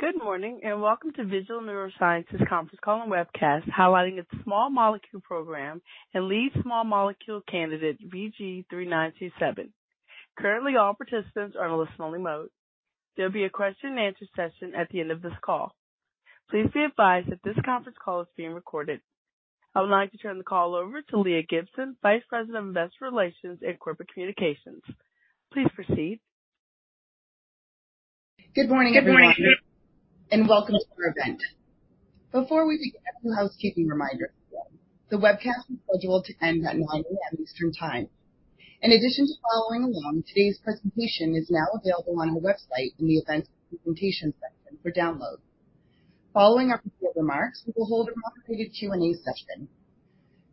Good morning, and welcome to Vigil Neuroscience conference call and webcast, highlighting its small molecule program and lead small molecule candidate, VG-3927. Currently, all participants are on a listen-only mode. There'll be a question and answer session at the end of this call. Please be advised that this conference call is being recorded. I would like to turn the call over to Leah Gibson, Vice President of Investor Relations and Corporate Communications. Please proceed. Good morning, everyone, and welcome to our event. Before we begin, a few housekeeping reminders. The webcast is scheduled to end at 9:00 A.M. Eastern Time. In addition to following along, today's presentation is now available on our website in the Events and Presentations section for download. Following our prepared remarks, we will hold a moderated Q&A session.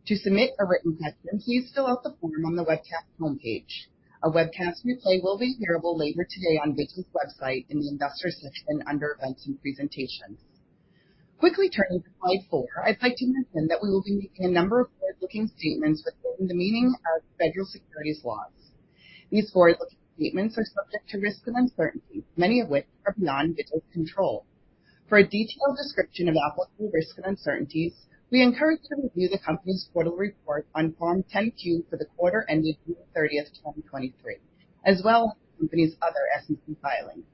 To submit a written question, please fill out the form on the webcast homepage. A webcast replay will be hearable later today on Vigil's website in the Investor section under Events and Presentations. Quickly turning to Slide 4, I'd like to mention that we will be making a number of forward-looking statements within the meaning of federal securities laws. These forward-looking statements are subject to risks and uncertainties, many of which are beyond Vigil's control. For a detailed description of applicable risks and uncertainties, we encourage you to review the company's quarterly report on Form 10-Q for the quarter ending June 30, 2023, as well as the company's other SEC filings.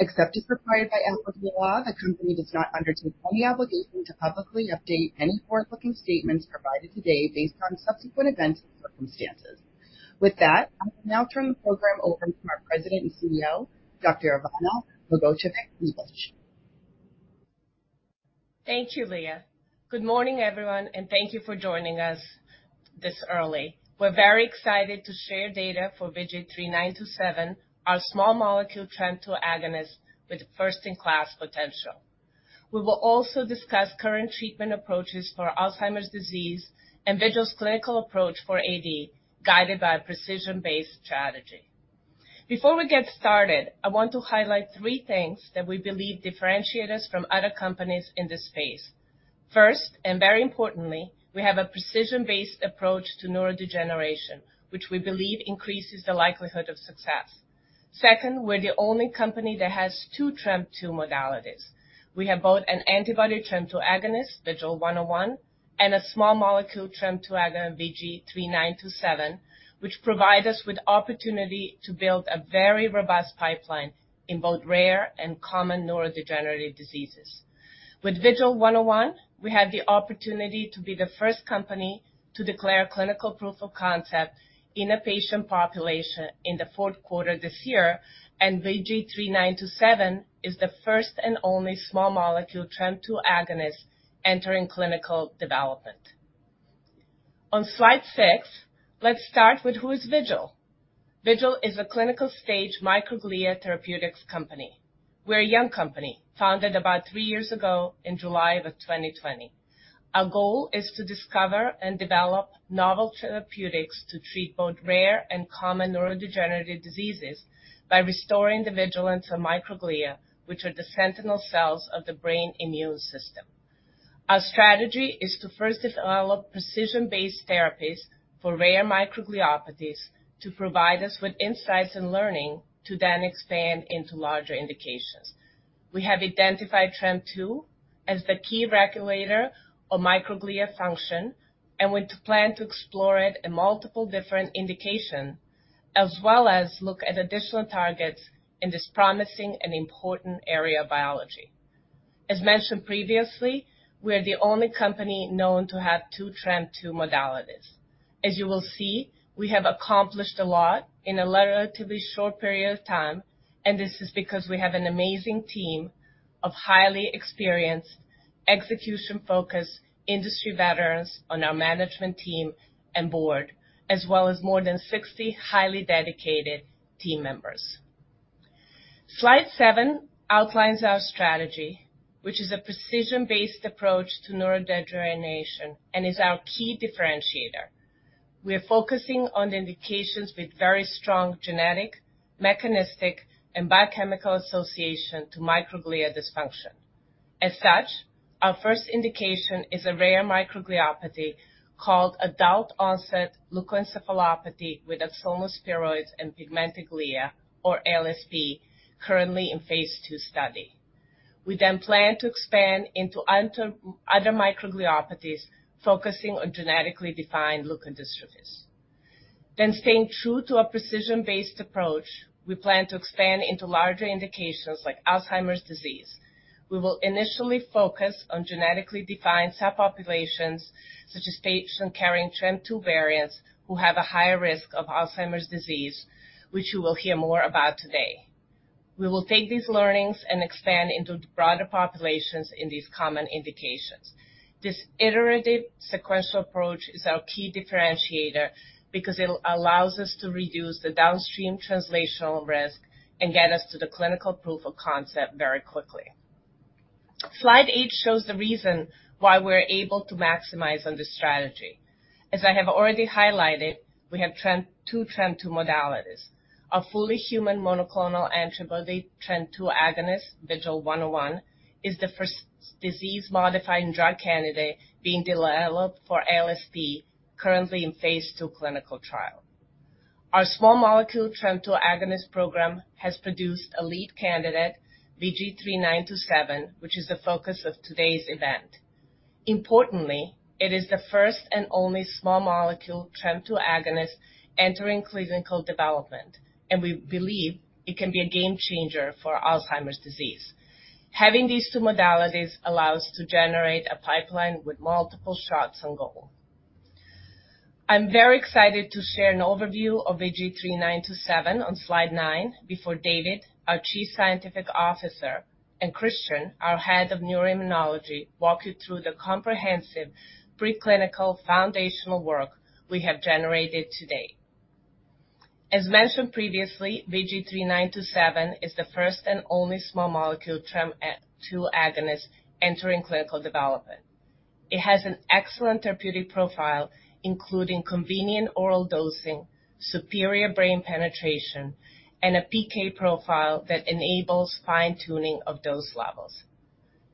Except as required by applicable law, the company does not undertake any obligation to publicly update any forward-looking statements provided today based on subsequent events and circumstances. With that, I will now turn the program over to our President and CEO, Dr. Ivana Magovčević-Liebisch. Thank you, Leah. Good morning, everyone, and thank you for joining us this early. We're very excited to share data for VG-3927, our small-molecule TREM2 agonist with first-in-class potential. We will also discuss current treatment approaches for Alzheimer's disease and Vigil's clinical approach for AD, guided by a precision-based strategy. Before we get started, I want to highlight three things that we believe differentiate us from other companies in this space. First, and very importantly, we have a precision-based approach to neurodegeneration, which we believe increases the likelihood of success. Second, we're the only company that has two TREM2 modalities. We have both an antibody TREM2 agonist, VGL101, and a small molecule TREM2 agonist, VG-3927, which provide us with opportunity to build a very robust pipeline in both rare and common neurodegenerative diseases. With VGL101, we have the opportunity to be the first company to declare clinical proof of concept in a patient population in the fourth quarter this year, and VG-3927 is the first and only small molecule TREM2 agonist entering clinical development. On Slide 6, let's start with: who is Vigil? Vigil is a clinical-stage microglia therapeutics company. We're a young company, founded about 3 years ago in July 2020. Our goal is to discover and develop novel therapeutics to treat both rare and common neurodegenerative diseases by restoring the vigilance of microglia, which are the sentinel cells of the brain immune system. Our strategy is to first develop precision-based therapies for rare microgliopathies, to provide us with insights and learning to then expand into larger indications. We have identified TREM2 as the key regulator of microglia function, and we plan to explore it in multiple different indications, as well as look at additional targets in this promising and important area of biology. As mentioned previously, we are the only company known to have two TREM2 modalities. As you will see, we have accomplished a lot in a relatively short period of time, and this is because we have an amazing team of highly experienced, execution-focused industry veterans on our management team and board, as well as more than 60 highly dedicated team members. Slide 7 outlines our strategy, which is a precision-based approach to neurodegeneration and is our key differentiator. We are focusing on indications with very strong genetic, mechanistic, and biochemical association to microglia dysfunction. As such, our first indication is a rare microgliopathy called adult-onset leukoencephalopathy with axonal spheroids and pigmented glia, or ALSP, currently in phase II study. We then plan to expand into other microgliopathies, focusing on genetically defined leukodystrophies. Then, staying true to our precision-based approach, we plan to expand into larger indications like Alzheimer's disease. We will initially focus on genetically defined subpopulations, such as patients carrying TREM2 variants, who have a higher risk of Alzheimer's disease, which you will hear more about today. We will take these learnings and expand into the broader populations in these common indications. This iterative, sequential approach is our key differentiator because it allows us to reduce the downstream translational risk and get us to the clinical proof of concept very quickly. Slide 8 shows the reason why we're able to maximize on this strategy. As I have already highlighted, we have two TREM2 modalities. A fully human monoclonal antibody, TREM2 agonist, VGL101, is the first disease-modifying drug candidate being developed for ALSP, currently in phase II clinical trial. Our small molecule TREM2 agonist program has produced a lead candidate, VG-3927, which is the focus of today's event. Importantly, it is the first and only small molecule TREM2 agonist entering clinical development, and we believe it can be a game changer for Alzheimer's disease. Having these two modalities allows to generate a pipeline with multiple shots on goal. I'm very excited to share an overview of VG-3927 on Slide 9 before David, our Chief Scientific Officer, and Christian, our Head of Neuroimmunology, walk you through the comprehensive preclinical foundational work we have generated today. As mentioned previously, VG-3927 is the first and only small molecule TREM2 agonist entering clinical development. It has an excellent therapeutic profile, including convenient oral dosing, superior brain penetration, and a PK profile that enables fine-tuning of dose levels.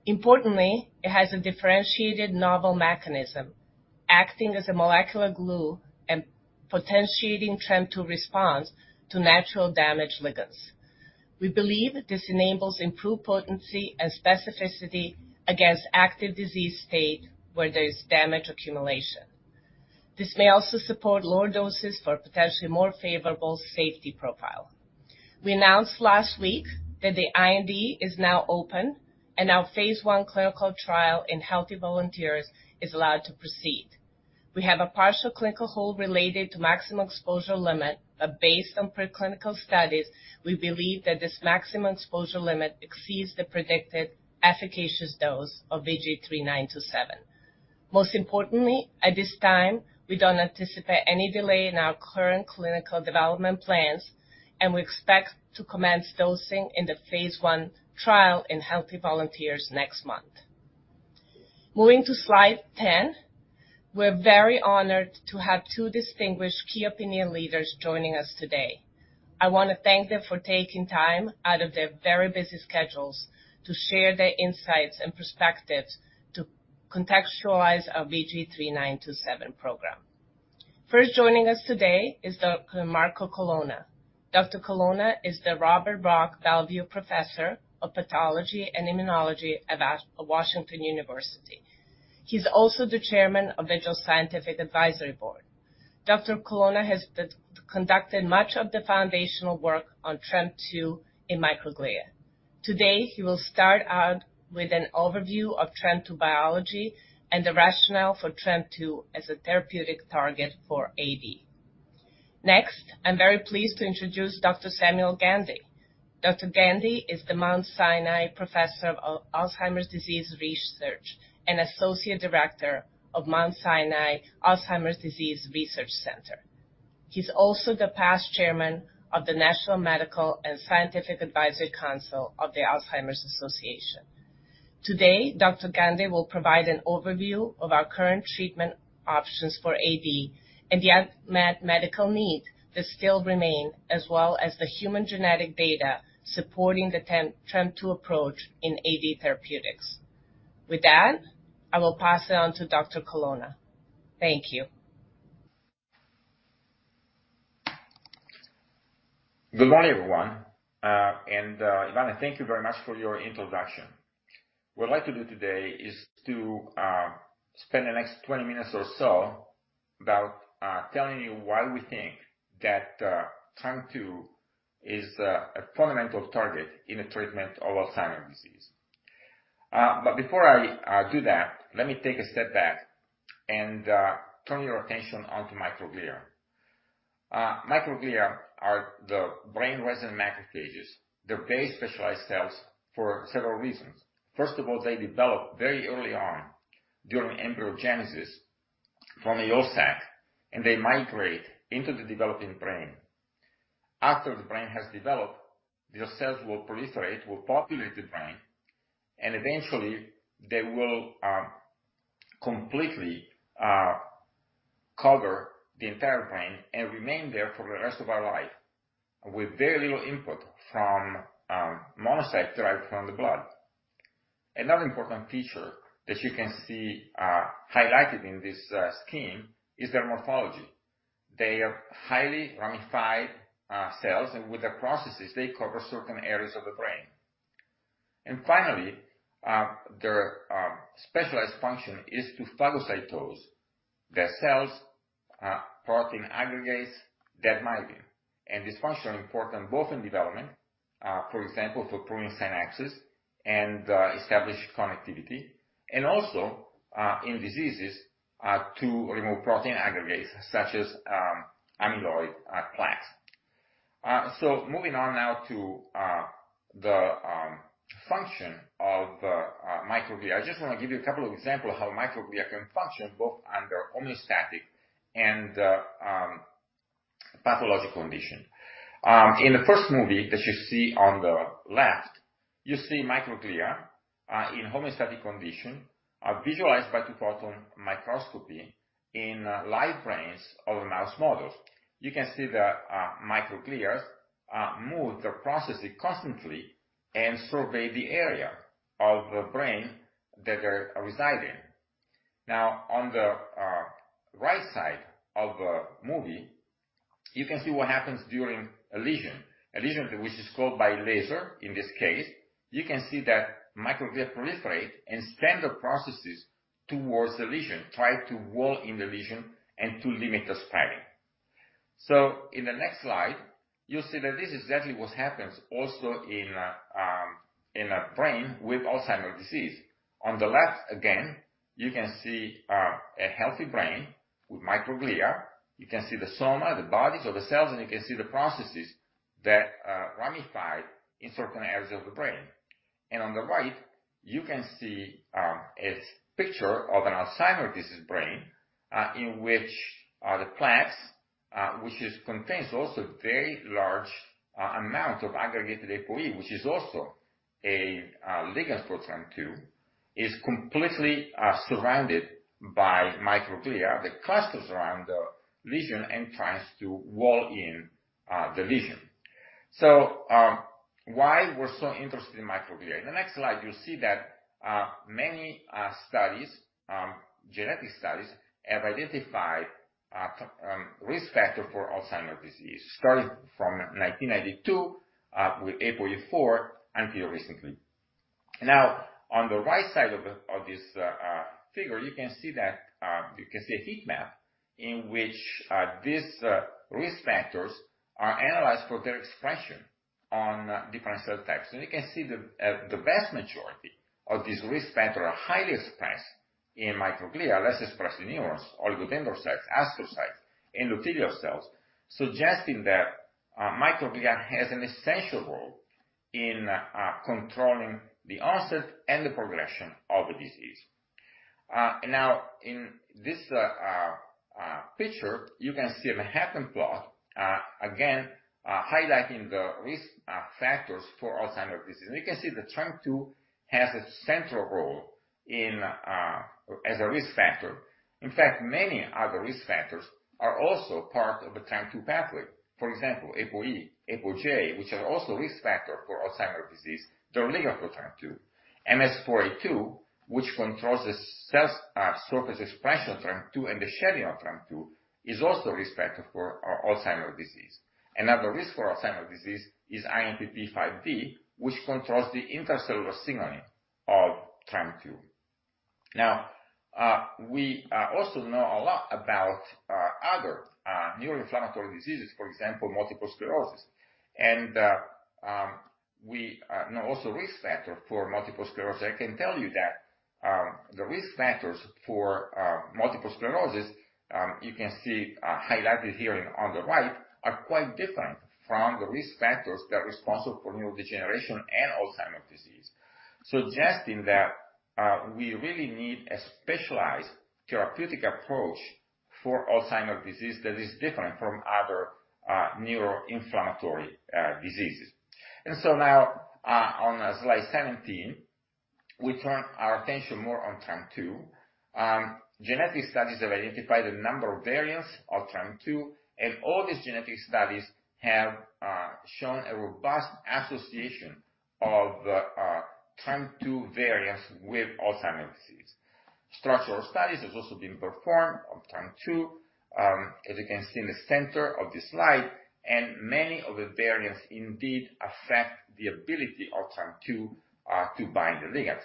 Importantly, it has a differentiated novel mechanism, acting as a molecular glue and potentiating TREM2 response to natural damage ligands. We believe this enables improved potency and specificity against active disease state where there is damage accumulation. This may also support lower doses for potentially more favorable safety profile. We announced last week that the IND is now open, and our phase I clinical trial in healthy volunteers is allowed to proceed. We have a partial clinical hold related to maximum exposure limit, but based on preclinical studies, we believe that this maximum exposure limit exceeds the predicted efficacious dose of VG-3927. Most importantly, at this time, we don't anticipate any delay in our current clinical development plans, and we expect to commence dosing in the phase I trial in healthy volunteers next month. Moving to Slide 10. We're very honored to have two distinguished key opinion leaders joining us today. I want to thank them for taking time out of their very busy schedules to share their insights and perspectives to contextualize our VG-3927 program. First, joining us today is Dr. Marco Colonna. Dr. Colonna is the Robert Rock Belliveau Professor of Pathology and Immunology at Washington University. He's also the chairman of the Vigil Scientific Advisory Board. Dr. Colonna has conducted much of the foundational work on TREM2 in microglia. Today, he will start out with an overview of TREM2 biology and the rationale for TREM2 as a therapeutic target for AD. Next, I'm very pleased to introduce Dr. Samuel Gandy. Dr. Gandy is the Mount Sinai Professor of Alzheimer's Disease Research and Associate Director of Mount Sinai Alzheimer's Disease Research Center. He's also the past chairman of the National Medical and Scientific Advisory Council of the Alzheimer's Association. Today, Dr. Gandy will provide an overview of our current treatment options for AD and the unmet medical need that still remain, as well as the human genetic data supporting the TREM2 approach in AD therapeutics. With that, I will pass it on to Dr. Colonna. Thank you. Good morning, everyone. Ivana, thank you very much for your introduction. What I'd like to do today is to spend the next 20 minutes or so about telling you why we think that TREM2 is a fundamental target in the treatment of Alzheimer's disease. But before I do that, let me take a step back and turn your attention onto microglia. Microglia are the brain resident macrophages. They're very specialized cells for several reasons. First of all, they develop very early on during embryogenesis from the yolk sac, and they migrate into the developing brain. After the brain has developed, these cells will proliferate, will populate the brain, and eventually, they will completely cover the entire brain and remain there for the rest of our life, with very little input from monocytes derived from the blood. Another important feature that you can see, highlighted in this scheme is their morphology. They are highly ramified, cells, and with their processes, they cover certain areas of the brain. And finally, their specialized function is to phagocytose the cells, protein aggregates that might be. And this function is important both in development, for example, for pruning synapses and establish connectivity, and also, in diseases, to remove protein aggregates such as, amyloid plaques. So moving on now to the function of microglia. I just want to give you a couple of examples of how microglia can function, both under homeostatic and pathological condition. In the first movie that you see on the left, you see microglia in homeostatic condition are visualized by two-photon microscopy in live brains of a mouse models. You can see the microglia move their processes constantly and survey the area of the brain that they're residing. Now, on the right side of movie, you can see what happens during a lesion. A lesion which is caused by laser, in this case, you can see that microglia proliferate and send the processes towards the lesion, try to wall in the lesion and to limit the spreading. So in the next slide, you'll see that this is exactly what happens also in a in a brain with Alzheimer's disease. On the left, again, you can see a healthy brain with microglia. You can see the soma, the bodies of the cells, and you can see the processes that ramify in certain areas of the brain. And on the right, you can see a picture of an Alzheimer's disease brain, in which the plaques, which contains also very large amount of aggregated ApoE, which is also a ligand for TREM2, is completely surrounded by microglia. That clusters around the lesion and tries to wall in the lesion. So, why we're so interested in microglia? In the next slide, you'll see that many studies, genetic studies have identified risk factor for Alzheimer's disease. Starting from 1992, with APOE4 until recently. Now, on the right side of the, of this figure, you can see that you can see a heat map in which these risk factors are analyzed for their expression on different cell types. And you can see the vast majority of these risk factor are highly expressed in microglia, less expressed in neurons, oligodendrocytes, astrocytes, and endothelial cells, suggesting that microglia has an essential role in controlling the onset and the progression of the disease. Now, in this picture, you can see a Manhattan plot, again, highlighting the risk factors for Alzheimer's disease. And you can see the TREM2 has a central role in as a risk factor. In fact, many other risk factors are also part of the TREM2 pathway. For example, ApoE, ApoJ, which are also risk factor for Alzheimer's disease, they're ligand for TREM2. MS4A2, which controls the cell surface expression of TREM2, and the shedding of TREM2, is also risk factor for Alzheimer's disease. Another risk for Alzheimer's disease is INPP5D, which controls the intracellular signaling of TREM2. Now, we also know a lot about other neuroinflammatory diseases, for example, multiple sclerosis. We know also risk factor for multiple sclerosis. I can tell you that, the risk factors for multiple sclerosis, you can see highlighted here on the right, are quite different from the risk factors that are responsible for neurodegeneration and Alzheimer's disease. Suggesting that, we really need a specialized therapeutic approach for Alzheimer's disease that is different from other neuroinflammatory diseases. So now, on Slide 17, we turn our attention more on TREM2. Genetic studies have identified a number of variants of TREM2, and all these genetic studies have shown a robust association of the TREM2 variants with Alzheimer's disease. Structural studies has also been performed on TREM2, as you can see in the center of this slide, and many of the variants indeed affect the ability of TREM2 to bind the ligands.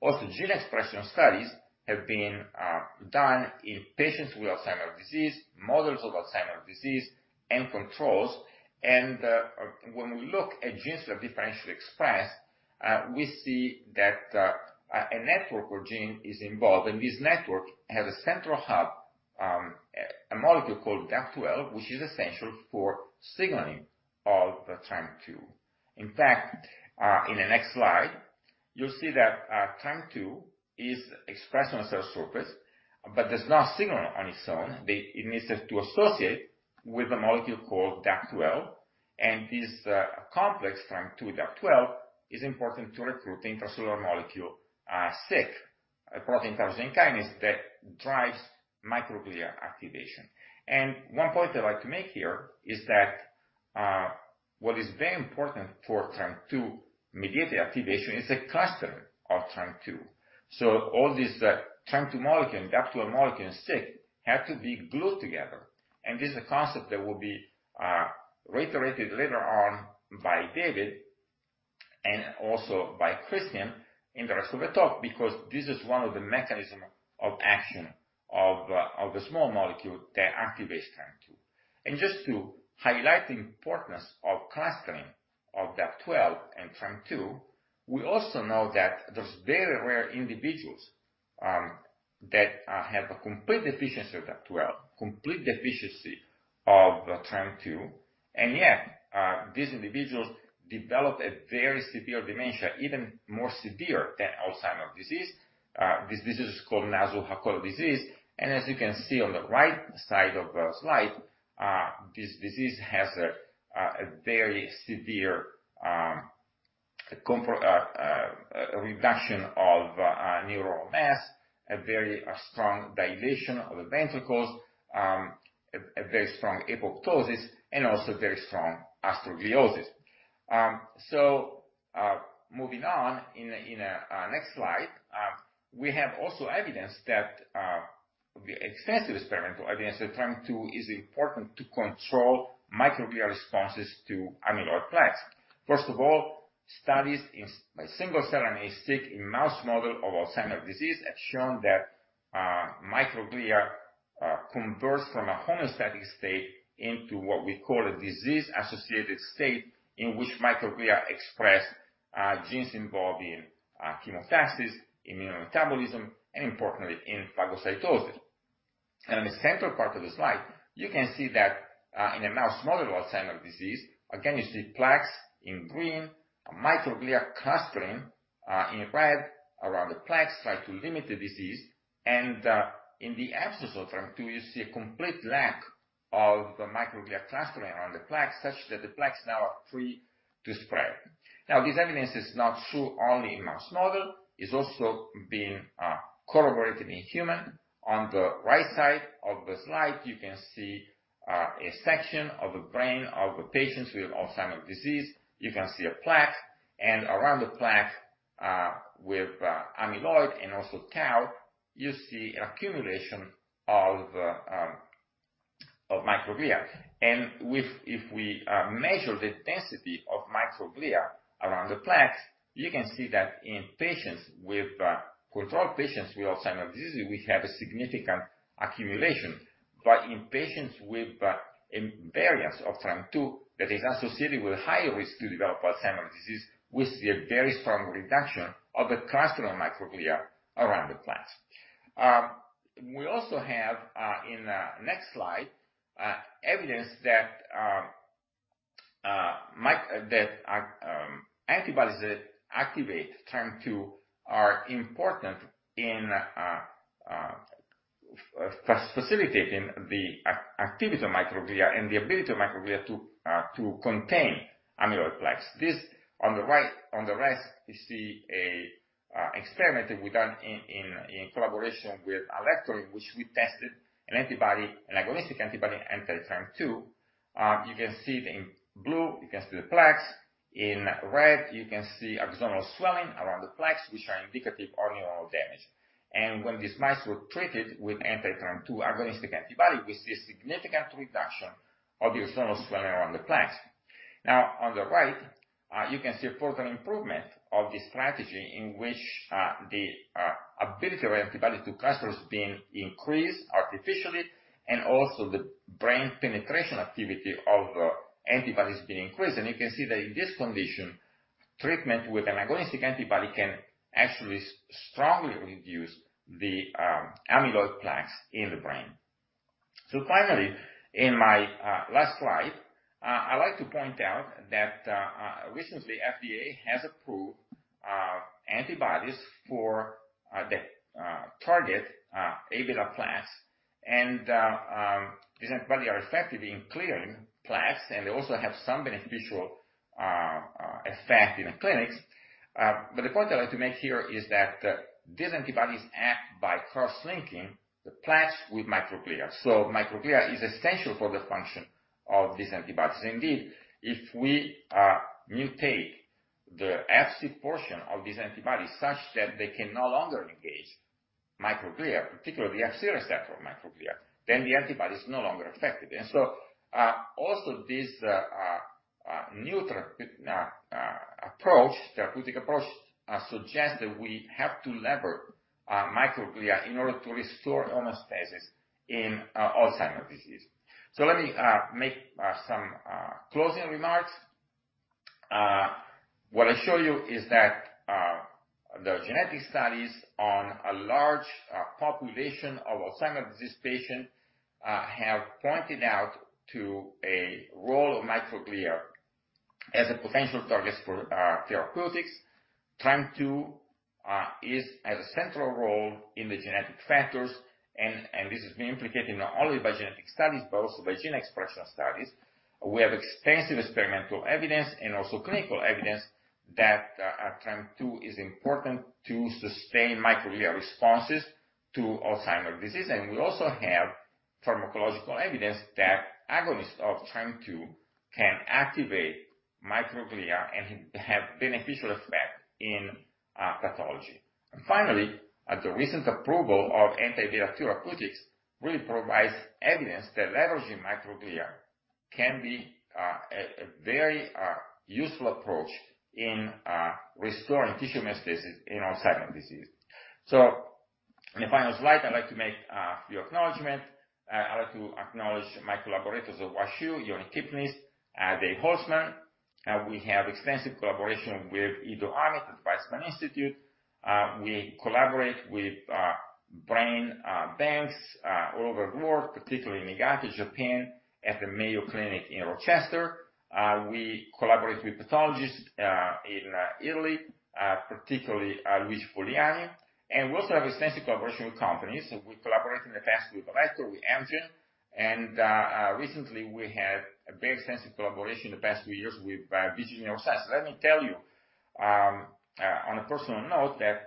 Also, gene expression studies have been done in patients with Alzheimer's disease, models of Alzheimer's disease, and controls. When we look at genes that are differentially expressed, we see that a network of gene is involved, and this network has a central hub, a molecule called DAP12, which is essential for signaling of the TREM2. In fact, in the next slide, you'll see that, TREM2 is expressed on the cell surface, but does not signal on its own. It needs to associate with a molecule called DAP12, and this, complex TREM2, DAP12, is important to recruit the intracellular molecule, Syk, a protein tyrosine kinase that drives microglia activation. One point I'd like to make here is that, what is very important for TREM2 mediate the activation is a cluster of TREM2. So all these, TREM2 molecule, DAP12 molecule, and Syk, have to be glued together. This is a concept that will be, reiterated later on by David, and also by Christian in the rest of the talk, because this is one of the mechanism of action of, of the small molecule that activates TREM2. Just to highlight the importance of clustering of DAP12 and TREM2, we also know that there's very rare individuals that have a complete deficiency of DAP12, complete deficiency of the TREM2, and yet these individuals develop a very severe dementia, even more severe than Alzheimer's disease. This disease is called Nasu-Hakola disease, and as you can see on the right side of the slide, this disease has a very severe reduction of neural mass, a very strong dilation of the ventricles, a very strong apoptosis, and also very strong astrogliosis. Moving on to the next slide. We have also evidence that the extensive experimental evidence that TREM2 is important to control microglia responses to amyloid plaques. First of all, studies by single-cell RNA-seq in mouse model of Alzheimer's disease have shown that, microglia converts from a homeostatic state into what we call a disease-associated state, in which microglia express genes involved in chemotaxis, immunometabolism, and importantly, in phagocytosis. And in the central part of the slide, you can see that, in a mouse model of Alzheimer's disease, again, you see plaques in green, a microglia clustering in red around the plaques try to limit the disease. And, in the absence of TREM2, you see a complete lack of the microglia clustering around the plaques, such that the plaques now are free to spread. Now, this evidence is not only true in mouse model, it's also being corroborated in human. On the right side of the slide, you can see a section of the brain of the patients with Alzheimer's disease. You can see a plaque, and around the plaque, with amyloid and also tau, you see an accumulation of microglia. If we measure the density of microglia around the plaques, you can see that in control patients with Alzheimer's disease, we have a significant accumulation. But in patients with a variance of TREM2 that is associated with a higher risk to develop Alzheimer's disease, we see a very strong reduction of the cluster of microglia around the plaques. We also have, in the next slide, evidence that antibodies that activate TREM2 are important in facilitating the activity of microglia and the ability of microglia to contain amyloid plaques. This, on the right, on the left, you see a experiment that we done in collaboration with Alector, in which we tested an antibody, an agonistic antibody, anti-TREM2. You can see it in blue, you can see the plaques. In red, you can see axonal swelling around the plaques, which are indicative of neuronal damage. And when these mice were treated with anti-TREM2 agonistic antibody, we see a significant reduction of the axonal swelling around the plaques. Now, on the right, you can see a further improvement of the strategy in which the ability of antibody to cluster is being increased artificially, and also the brain penetration activity of the antibody is being increased. And you can see that in this condition, treatment with an agonistic antibody can actually strongly reduce the amyloid plaques in the brain. So finally, in my last slide, I'd like to point out that recently, FDA has approved antibodies for the target Aβ plaques. And these antibodies are effective in clearing plaques, and they also have some beneficial effect in the clinics. But the point I'd like to make here is that these antibodies act by cross-linking the plaques with microglia. So microglia is essential for the function of these antibodies. Indeed, if we mutate the Fc portion of these antibodies such that they can no longer engage microglia, particularly the Fc receptor of microglia, then the antibody is no longer effective. And so, also this new therapeutic approach suggests that we have to leverage microglia in order to restore homeostasis in Alzheimer's disease. So let me make some closing remarks. What I show you is that the genetic studies on a large population of Alzheimer's disease patient have pointed out to a role of microglia as a potential target for therapeutics. TREM2 is at a central role in the genetic factors, and this has been implicated not only by genetic studies, but also by gene expression studies. We have extensive experimental evidence and also clinical evidence that TREM2 is important to sustain microglia responses to Alzheimer's disease. We also have pharmacological evidence that agonist of TREM2 can activate microglia and have beneficial effect in pathology. Finally, the recent approval of anti-β therapeutics really provides evidence that leveraging microglia can be a very useful approach in restoring tissue homeostasis in Alzheimer's disease. So in the final slide, I'd like to make a few acknowledgments. I'd like to acknowledge my collaborators at WashU, Jony Kipnis, Dave Holtzman. We have extensive collaboration with Ido Amit at Weizmann Institute. We collaborate with brain banks all over the world, particularly in Niigata, Japan, at the Mayo Clinic in Rochester. We collaborate with pathologists in Italy, particularly Luigi Poliani. We also have extensive collaboration with companies. We collaborated in the past with Alector, with Amgen, and recently, we had a very extensive collaboration in the past few years with Biogen and Eisai. So let me tell you, on a personal note, that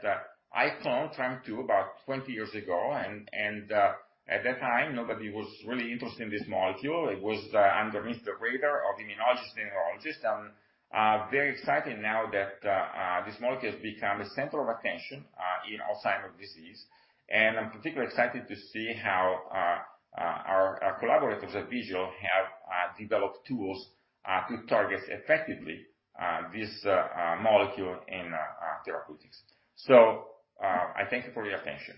I cloned TREM2 about 20 years ago, and at that time, nobody was really interested in this molecule. It was underneath the radar of immunologists and neurologists. I'm very excited now that this molecule has become a center of attention in Alzheimer's disease. And I'm particularly excited to see how our collaborators at Vigil have developed tools to target effectively this molecule in therapeutics. So I thank you for your attention.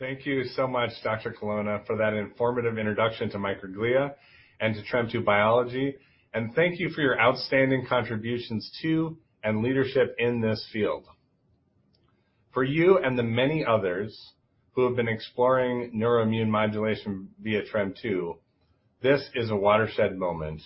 Thank you so much, Dr. Colonna, for that informative introduction to microglia and to TREM2 biology, and thank you for your outstanding contributions to and leadership in this field. For you and the many others who have been exploring neuroimmune modulation via TREM2, this is a watershed moment.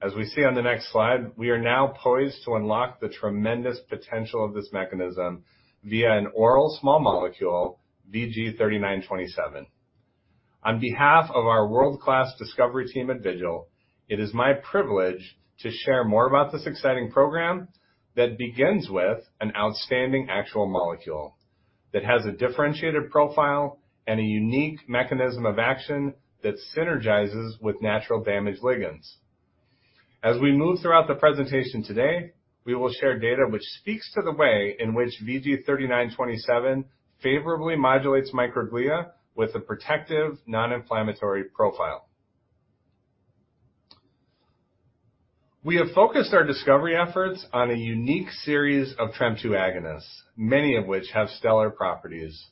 As we see on the next slide, we are now poised to unlock the tremendous potential of this mechanism via an oral small molecule, VG-3927. On behalf of our world-class discovery team at Vigil, it is my privilege to share more about this exciting program that begins with an outstanding actual molecule that has a differentiated profile and a unique mechanism of action that synergizes with natural damage ligands. As we move throughout the presentation today, we will share data which speaks to the way in which VG-3927 favorably modulates microglia with a protective, non-inflammatory profile. We have focused our discovery efforts on a unique series of TREM2 agonists, many of which have stellar properties.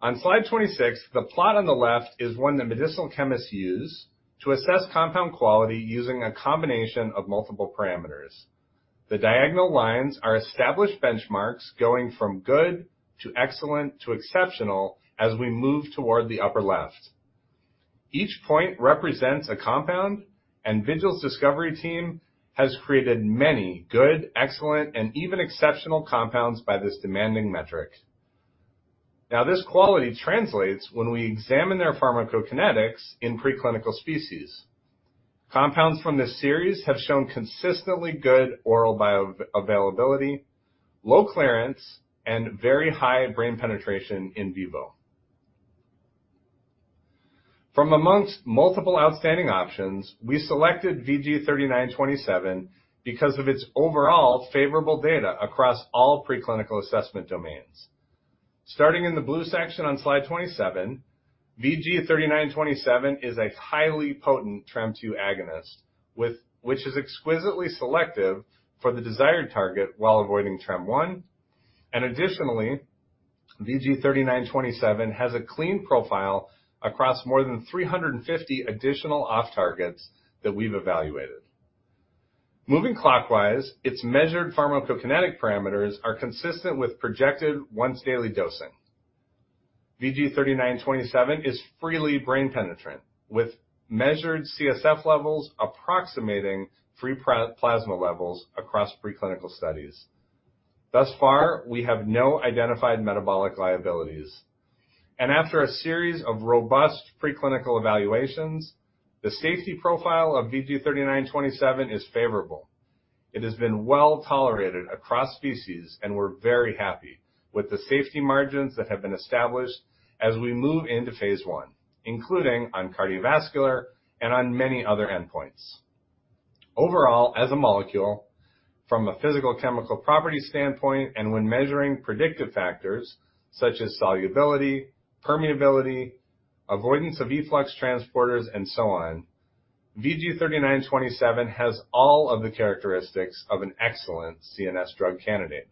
On Slide 26, the plot on the left is one that medicinal chemists use to assess compound quality using a combination of multiple parameters. The diagonal lines are established benchmarks, going from good to excellent to exceptional as we move toward the upper left. Each point represents a compound, and Vigil's discovery team has created many good, excellent, and even exceptional compounds by this demanding metric. Now, this quality translates when we examine their pharmacokinetics in preclinical species. Compounds from this series have shown consistently good oral bioavailability, low clearance, and very high brain penetration in vivo. From amongst multiple outstanding options, we selected VG-3927 because of its overall favorable data across all preclinical assessment domains. Starting in the blue section on Slide 27, VG-3927 is a highly potent TREM2 agonist, with which is exquisitely selective for the desired target while avoiding TREM1. Additionally, VG-3927 has a clean profile across more than 350 additional off targets that we've evaluated. Moving clockwise, its measured pharmacokinetic parameters are consistent with projected once-daily dosing. VG-3927 is freely brain penetrant, with measured CSF levels approximating free plasma levels across preclinical studies. Thus far, we have no identified metabolic liabilities. After a series of robust preclinical evaluations, the safety profile of VG-3927 is favorable. It has been well tolerated across species, and we're very happy with the safety margins that have been established as we move into phase one, including on cardiovascular and on many other endpoints. Overall, as a molecule from a physicochemical property standpoint, and when measuring predictive factors such as solubility, permeability, avoidance of efflux transporters, and so on, VG-3927 has all of the characteristics of an excellent CNS drug candidate.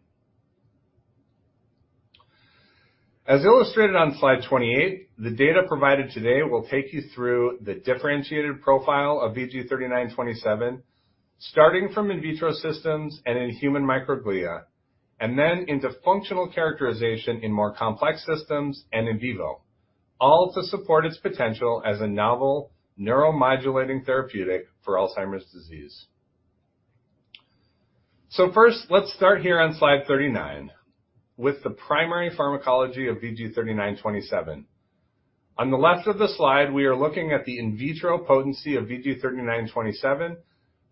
As illustrated on Slide 28, the data provided today will take you through the differentiated profile of VG-3927, starting from in vitro systems and in human microglia, and then into functional characterization in more complex systems and in vivo. All to support its potential as a novel neuromodulating therapeutic for Alzheimer's disease. So first, let's start here on Slide 39 with the primary pharmacology of VG-3927. On the left of the slide, we are looking at the in vitro potency of VG-3927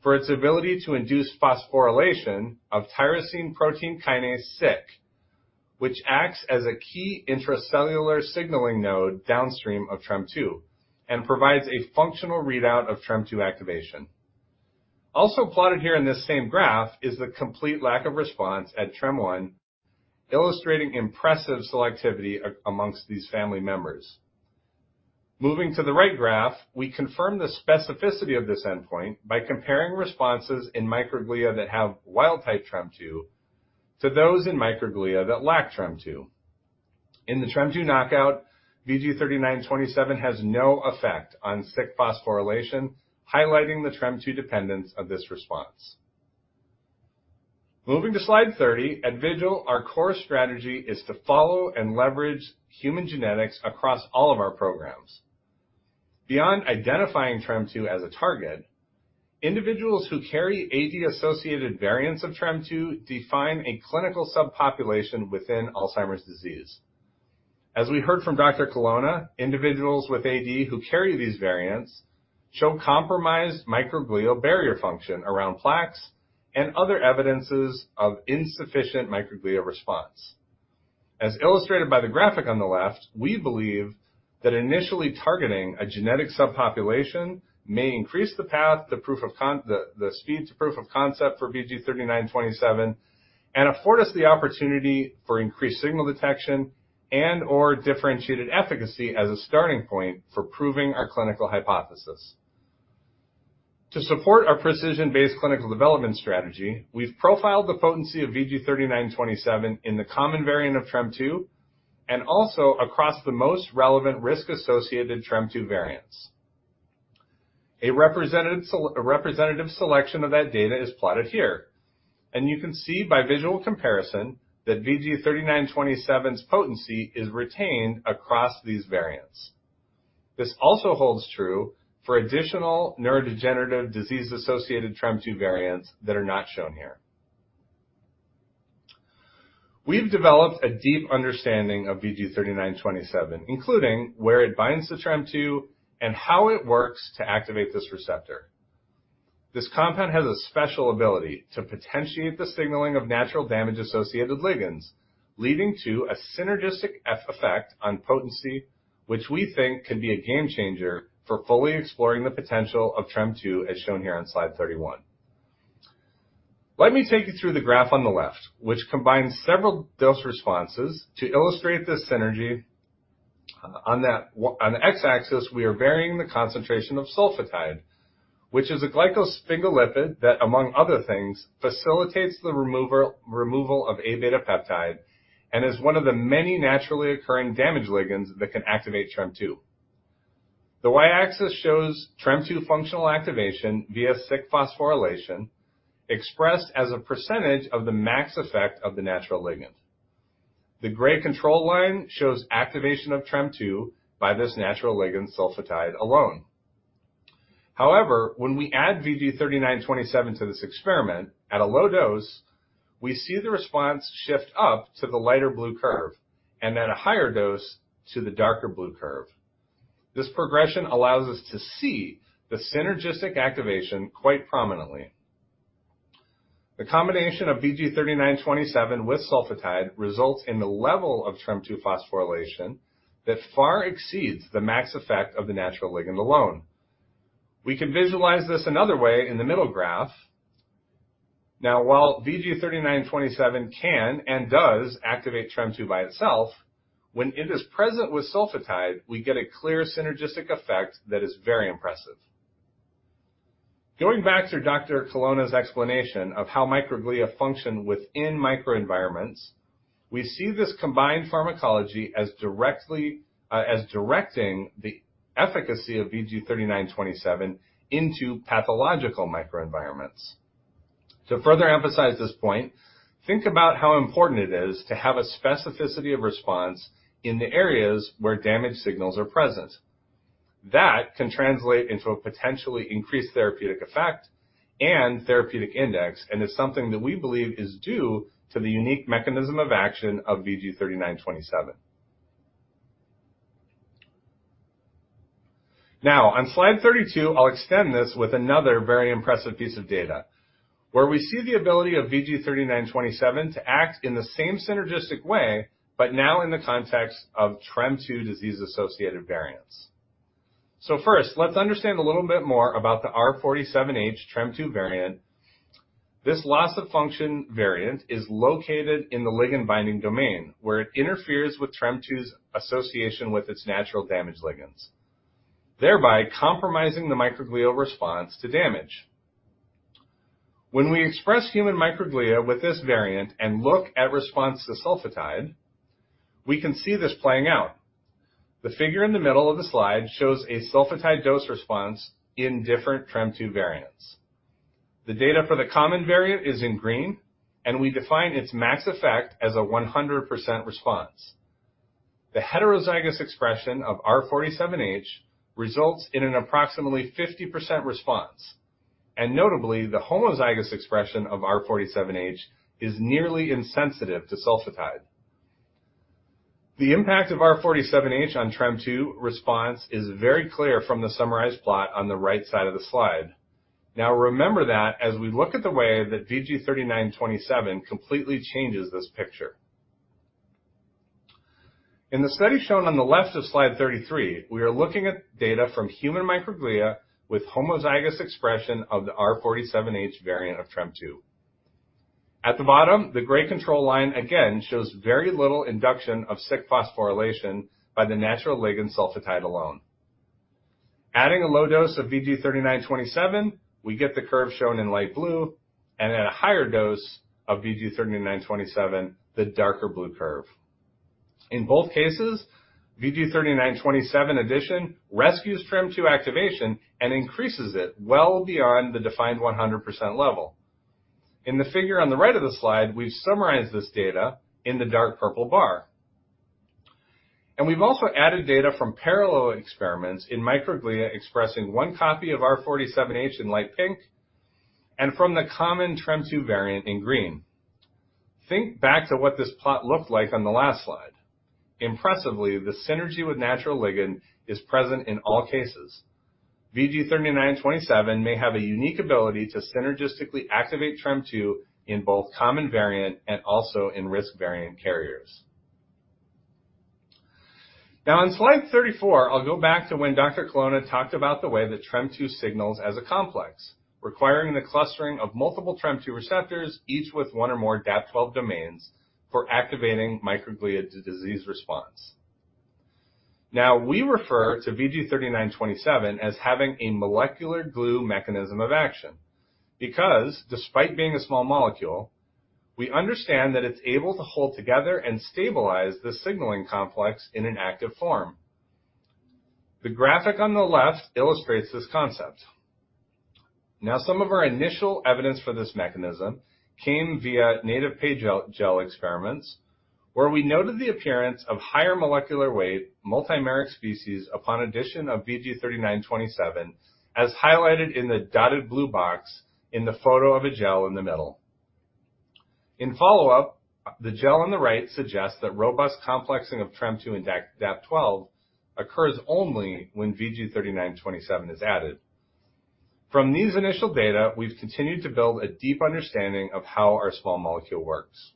for its ability to induce phosphorylation of tyrosine protein kinase, Syk, which acts as a key intracellular signaling node downstream of TREM2, and provides a functional readout of TREM2 activation. Also plotted here in this same graph is the complete lack of response at TREM1, illustrating impressive selectivity among these family members. Moving to the right graph, we confirm the specificity of this endpoint by comparing responses in microglia that have wild-type TREM2 to those in microglia that lack TREM2. In the TREM2 knockout, VG-3927 has no effect on Syk phosphorylation, highlighting the TREM2 dependence of this response. Moving to Slide 30, at Vigil, our core strategy is to follow and leverage human genetics across all of our programs. Beyond identifying TREM2 as a target, individuals who carry AD-associated variants of TREM2 define a clinical subpopulation within Alzheimer's disease. As we heard from Dr. Colonna, individuals with AD who carry these variants show compromised microglial barrier function around plaques and other evidences of insufficient microglia response. As illustrated by the graphic on the left, we believe that initially targeting a genetic subpopulation may increase the speed to proof of concept for VG-3927, and afford us the opportunity for increased signal detection and/or differentiated efficacy as a starting point for proving our clinical hypothesis. To support our precision-based clinical development strategy, we've profiled the potency of VG-3927 in the common variant of TREM2, and also across the most relevant risk-associated TREM2 variants. A representative selection of that data is plotted here, and you can see by visual comparison that VG-3927's potency is retained across these variants. This also holds true for additional neurodegenerative disease-associated TREM2 variants that are not shown here. We've developed a deep understanding of VG-3927, including where it binds to TREM2 and how it works to activate this receptor. This compound has a special ability to potentiate the signaling of natural damage-associated ligands, leading to a synergistic effect on potency, which we think could be a game changer for fully exploring the potential of TREM2, as shown here on Slide 31. Let me take you through the graph on the left, which combines several dose responses to illustrate this synergy. On the x-axis, we are varying the concentration of sulfatide, which is a glycosphingolipid that, among other things, facilitates the removal of Aβ peptide and is one of the many naturally occurring damage ligands that can activate TREM2. The y-axis shows TREM2 functional activation via Syk phosphorylation, expressed as a percentage of the max effect of the natural ligand. The gray control line shows activation of TREM2 by this natural ligand sulfatide alone. However, when we add VG-3927 to this experiment, at a low dose, we see the response shift up to the lighter blue curve, and at a higher dose, to the darker blue curve. This progression allows us to see the synergistic activation quite prominently. The combination of VG-3927 with sulfatide results in the level of TREM2 phosphorylation that far exceeds the max effect of the natural ligand alone. We can visualize this another way in the middle graph. Now, while VG-3927 can and does activate TREM2 by itself, when it is present with sulfatide, we get a clear synergistic effect that is very impressive. Going back to Dr. Colonna's explanation of how microglia function within microenvironments, we see this combined pharmacology as directly, as directing the efficacy of VG-3927 into pathological microenvironments. To further emphasize this point, think about how important it is to have a specificity of response in the areas where damage signals are present. That can translate into a potentially increased therapeutic effect and therapeutic index, and is something that we believe is due to the unique mechanism of action of VG-3927. Now, on Slide 32, I'll extend this with another very impressive piece of data, where we see the ability of VG-3927 to act in the same synergistic way, but now in the context of TREM2 disease-associated variants. So first, let's understand a little bit more about the R47H TREM2 variant. This loss-of-function variant is located in the ligand-binding domain, where it interferes with TREM2's association with its natural damage ligands, thereby compromising the microglial response to damage. When we express human microglia with this variant and look at response to sulfatide, we can see this playing out. The figure in the middle of the slide shows a sulfatide dose response in different TREM2 variants. The data for the common variant is in green, and we define its max effect as a 100% response. The heterozygous expression of R47H results in an approximately 50% response, and notably, the homozygous expression of R47H is nearly insensitive to sulfatide. The impact of R47H on TREM2 response is very clear from the summarized plot on the right side of the slide. Now, remember that as we look at the way that VG-3927 completely changes this picture. In the study shown on the left of Slide 33, we are looking at data from human microglia with homozygous expression of the R47H variant of TREM2. At the bottom, the gray control line again shows very little induction of Syk phosphorylation by the natural ligand sulfatide alone. Adding a low dose of VG-3927, we get the curve shown in light blue, and at a higher dose of VG-3927, the darker blue curve. In both cases, VG-3927 addition rescues TREM2 activation and increases it well beyond the defined 100% level... In the figure on the right of the slide, we've summarized this data in the dark purple bar. We've also added data from parallel experiments in microglia expressing one copy of R47H in light pink, and from the common TREM2 variant in green. Think back to what this plot looked like on the last slide. Impressively, the synergy with natural ligand is present in all cases. VG-3927 may have a unique ability to synergistically activate TREM2 in both common variant and also in risk variant carriers. Now, on Slide 34, I'll go back to when Dr. Colonna talked about the way that TREM2 signals as a complex, requiring the clustering of multiple TREM2 receptors, each with one or more DAP12 domains, for activating microglia to disease response. Now, we refer to VG-3927 as having a molecular glue mechanism of action, because despite being a small molecule, we understand that it's able to hold together and stabilize the signaling complex in an active form. The graphic on the left illustrates this concept. Now, some of our initial evidence for this mechanism came via native PAGE gel, gel experiments, where we noted the appearance of higher molecular weight, multimeric species upon addition of VG-3927, as highlighted in the dotted blue box in the photo of a gel in the middle. In follow-up, the gel on the right suggests that robust complexing of TREM2 and DAP12 occurs only when VG-3927 is added. From these initial data, we've continued to build a deep understanding of how our small molecule works.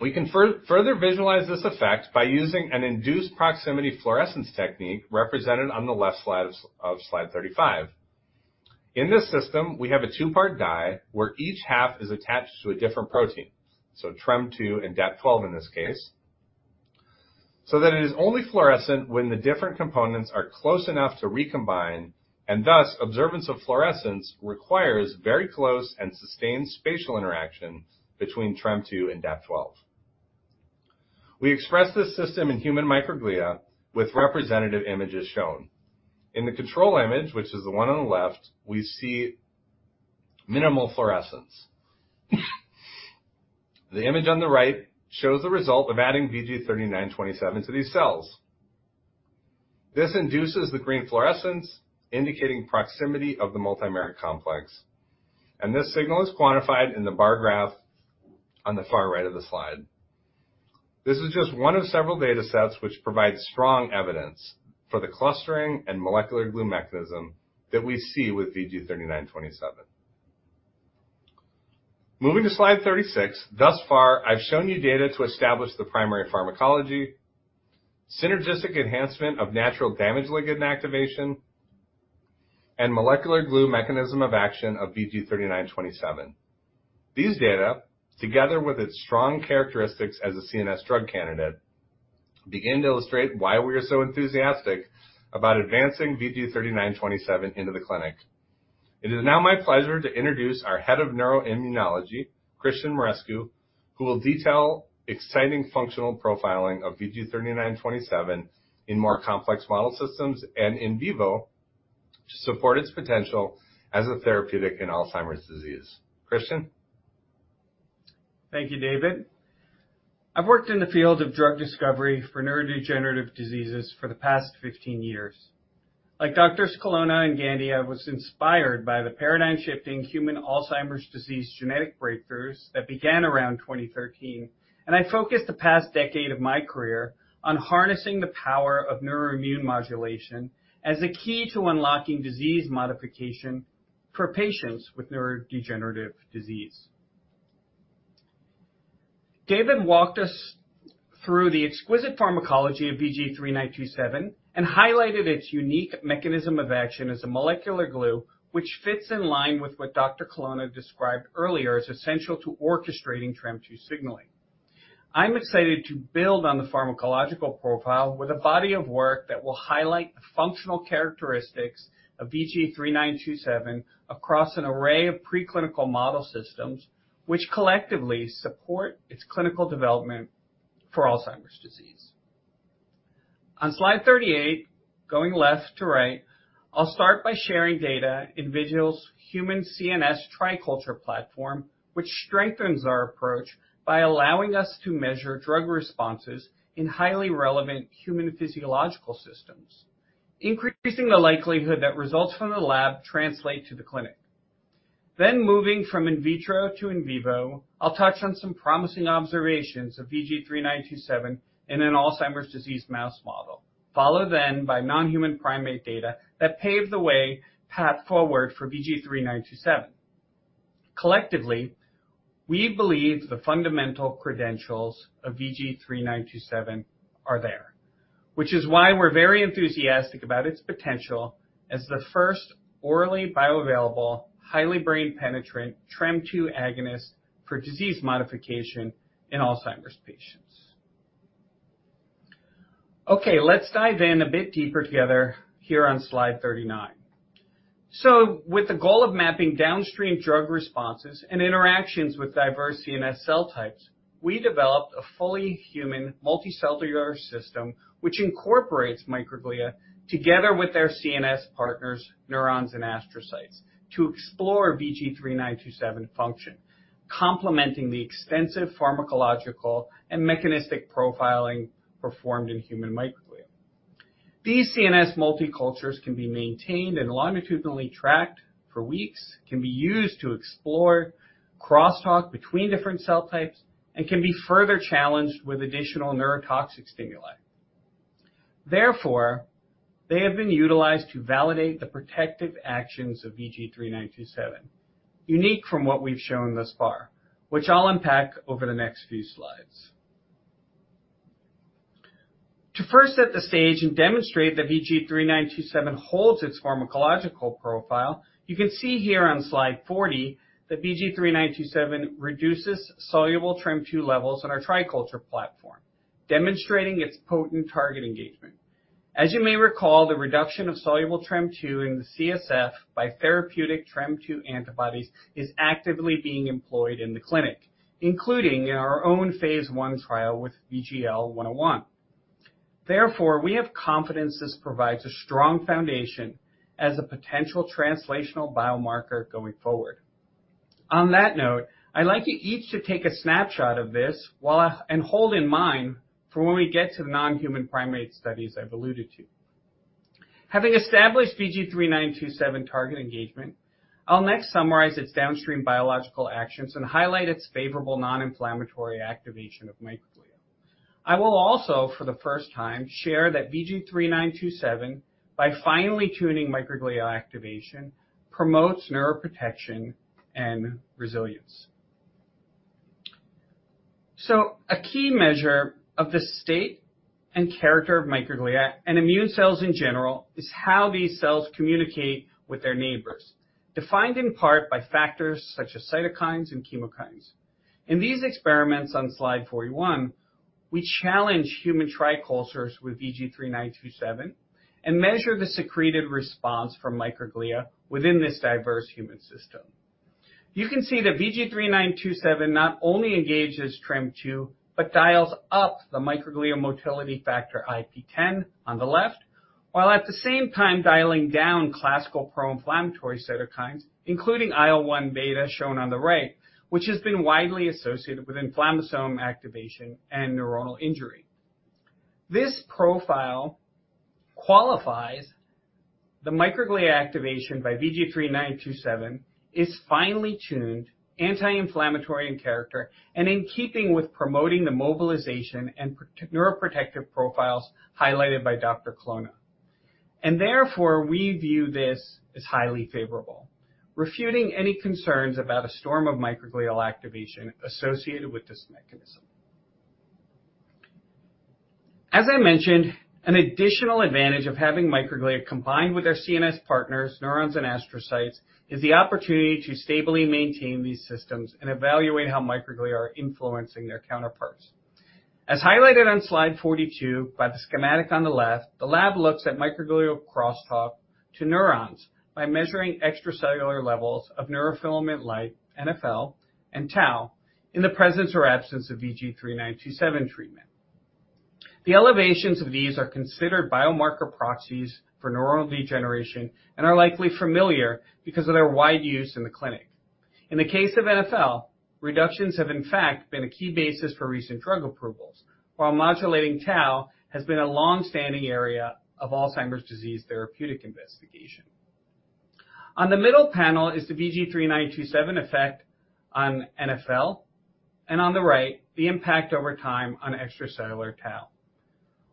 We can further visualize this effect by using an induced proximity fluorescence technique represented on the left slide of Slide 35. In this system, we have a two-part dye where each half is attached to a different protein, so TREM2 and DAP12, in this case. So then it is only fluorescent when the different components are close enough to recombine, and thus, observance of fluorescence requires very close and sustained spatial interaction between TREM2 and DAP12. We express this system in human microglia with representative images shown. In the control image, which is the one on the left, we see minimal fluorescence. The image on the right shows the result of adding VG-3927 to these cells. This induces the green fluorescence, indicating proximity of the multimeric complex, and this signal is quantified in the bar graph on the far right of the slide. This is just one of several data sets which provide strong evidence for the clustering and molecular glue mechanism that we see with VG-3927. Moving to Slide 36. Thus far, I've shown you data to establish the primary pharmacology, synergistic enhancement of natural damage, ligand activation, and molecular glue mechanism of action of VG-3927. These data, together with its strong characteristics as a CNS drug candidate, begin to illustrate why we are so enthusiastic about advancing VG-3927 into the clinic. It is now my pleasure to introduce our head of neuroimmunology, Christian Mirescu, who will detail exciting functional profiling of VG-3927 in more complex model systems and in vivo to support its potential as a therapeutic in Alzheimer's disease. Christian? Thank you, David. I've worked in the field of drug discovery for neurodegenerative diseases for the past 15 years. Like Doctors Colonna and Gandy, I was inspired by the paradigm-shifting human Alzheimer's disease genetic breakthroughs that began around 2013, and I focused the past decade of my career on harnessing the power of neuroimmune modulation as a key to unlocking disease modification for patients with neurodegenerative disease. David walked us through the exquisite pharmacology of VG-3927 and highlighted its unique mechanism of action as a molecular glue, which fits in line with what Dr. Colonna described earlier as essential to orchestrating TREM2 signaling. I'm excited to build on the pharmacological profile with a body of work that will highlight the functional characteristics of VG-3927 across an array of preclinical model systems, which collectively support its clinical development for Alzheimer's disease. On Slide 38, going left to right, I'll start by sharing data in Vigil's Human CNS Tri-culture platform, which strengthens our approach by allowing us to measure drug responses in highly relevant human physiological systems, increasing the likelihood that results from the lab translate to the clinic. Then moving from in vitro to in vivo, I'll touch on some promising observations of VG-3927 in an Alzheimer's disease mouse model, followed then by non-human primate data that pave the way forward for VG-3927. Collectively, we believe the fundamental credentials of VG-3927 are there, which is why we're very enthusiastic about its potential as the first orally bioavailable, highly brain-penetrant, TREM2 agonist for disease modification in Alzheimer's patients. Okay, let's dive in a bit deeper together here on Slide 39. So with the goal of mapping downstream drug responses and interactions with diverse CNS cell types, we developed a fully human multicellular system, which incorporates microglia together with their CNS partners, neurons, and astrocytes, to explore VG-3927 function, complementing the extensive pharmacological and mechanistic profiling performed in human microglia. These CNS multi-cultures can be maintained and longitudinally tracked for weeks, can be used to explore crosstalk between different cell types, and can be further challenged with additional neurotoxic stimuli. Therefore, they have been utilized to validate the protective actions of VG-3927, unique from what we've shown thus far, which I'll unpack over the next few slides. To first set the stage and demonstrate that VG-3927 holds its pharmacological profile, you can see here on Slide 40, that VG-3927 reduces soluble TREM2 levels in our tri-culture platform, demonstrating its potent target engagement. As you may recall, the reduction of soluble TREM2 in the CSF by therapeutic TREM2 antibodies is actively being employed in the clinic, including in our own phase I trial with VGL101. Therefore, we have confidence this provides a strong foundation as a potential translational biomarker going forward. On that note, I'd like you each to take a snapshot of this while, and hold in mind for when we get to the non-human primate studies I've alluded to. Having established VG-3927 target engagement, I'll next summarize its downstream biological actions and highlight its favorable non-inflammatory activation of microglia. I will also, for the first time, share that VG-3927, by finely tuning microglia activation, promotes neuroprotection and resilience. So a key measure of the state and character of microglia and immune cells in general, is how these cells communicate with their neighbors, defined in part by factors such as cytokines and chemokines. In these experiments on Slide 41, we challenge human tricultures with VG-3927 and measure the secreted response from microglia within this diverse human system. You can see that VG-3927 not only engages TREM2, but dials up the microglia motility factor IP-10 on the left, while at the same time dialing down classical pro-inflammatory cytokines, including IL-1 β, shown on the right, which has been widely associated with inflammasome activation and neuronal injury. This profile qualifies the microglia activation by VG-3927, is finely tuned, anti-inflammatory in character, and in keeping with promoting the mobilization and neuroprotective profiles highlighted by Dr. Colonna. Therefore, we view this as highly favorable, refuting any concerns about a storm of microglial activation associated with this mechanism. As I mentioned, an additional advantage of having microglia combined with their CNS partners, neurons and astrocytes, is the opportunity to stably maintain these systems and evaluate how microglia are influencing their counterparts. As highlighted on Slide 42 by the schematic on the left, the lab looks at microglial crosstalk to neurons by measuring extracellular levels of neurofilament light, NfL and tau in the presence or absence of VG-3927 treatment. The elevations of these are considered biomarker proxies for neuronal degeneration and are likely familiar because of their wide use in the clinic. In the case of NfL, reductions have in fact been a key basis for recent drug approvals, while modulating tau has been a long-standing area of Alzheimer's disease therapeutic investigation. On the middle panel is the VG-3927 effect on NfL, and on the right, the impact over time on extracellular tau.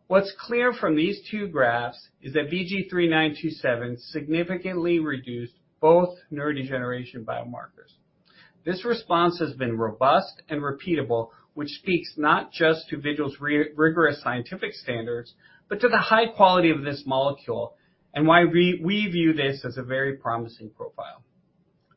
What's clear from these two graphs is that VG-3927 significantly reduced both neurodegeneration biomarkers. This response has been robust and repeatable, which speaks not just to Vigil's rigorous scientific standards, but to the high quality of this molecule and why we, we view this as a very promising profile.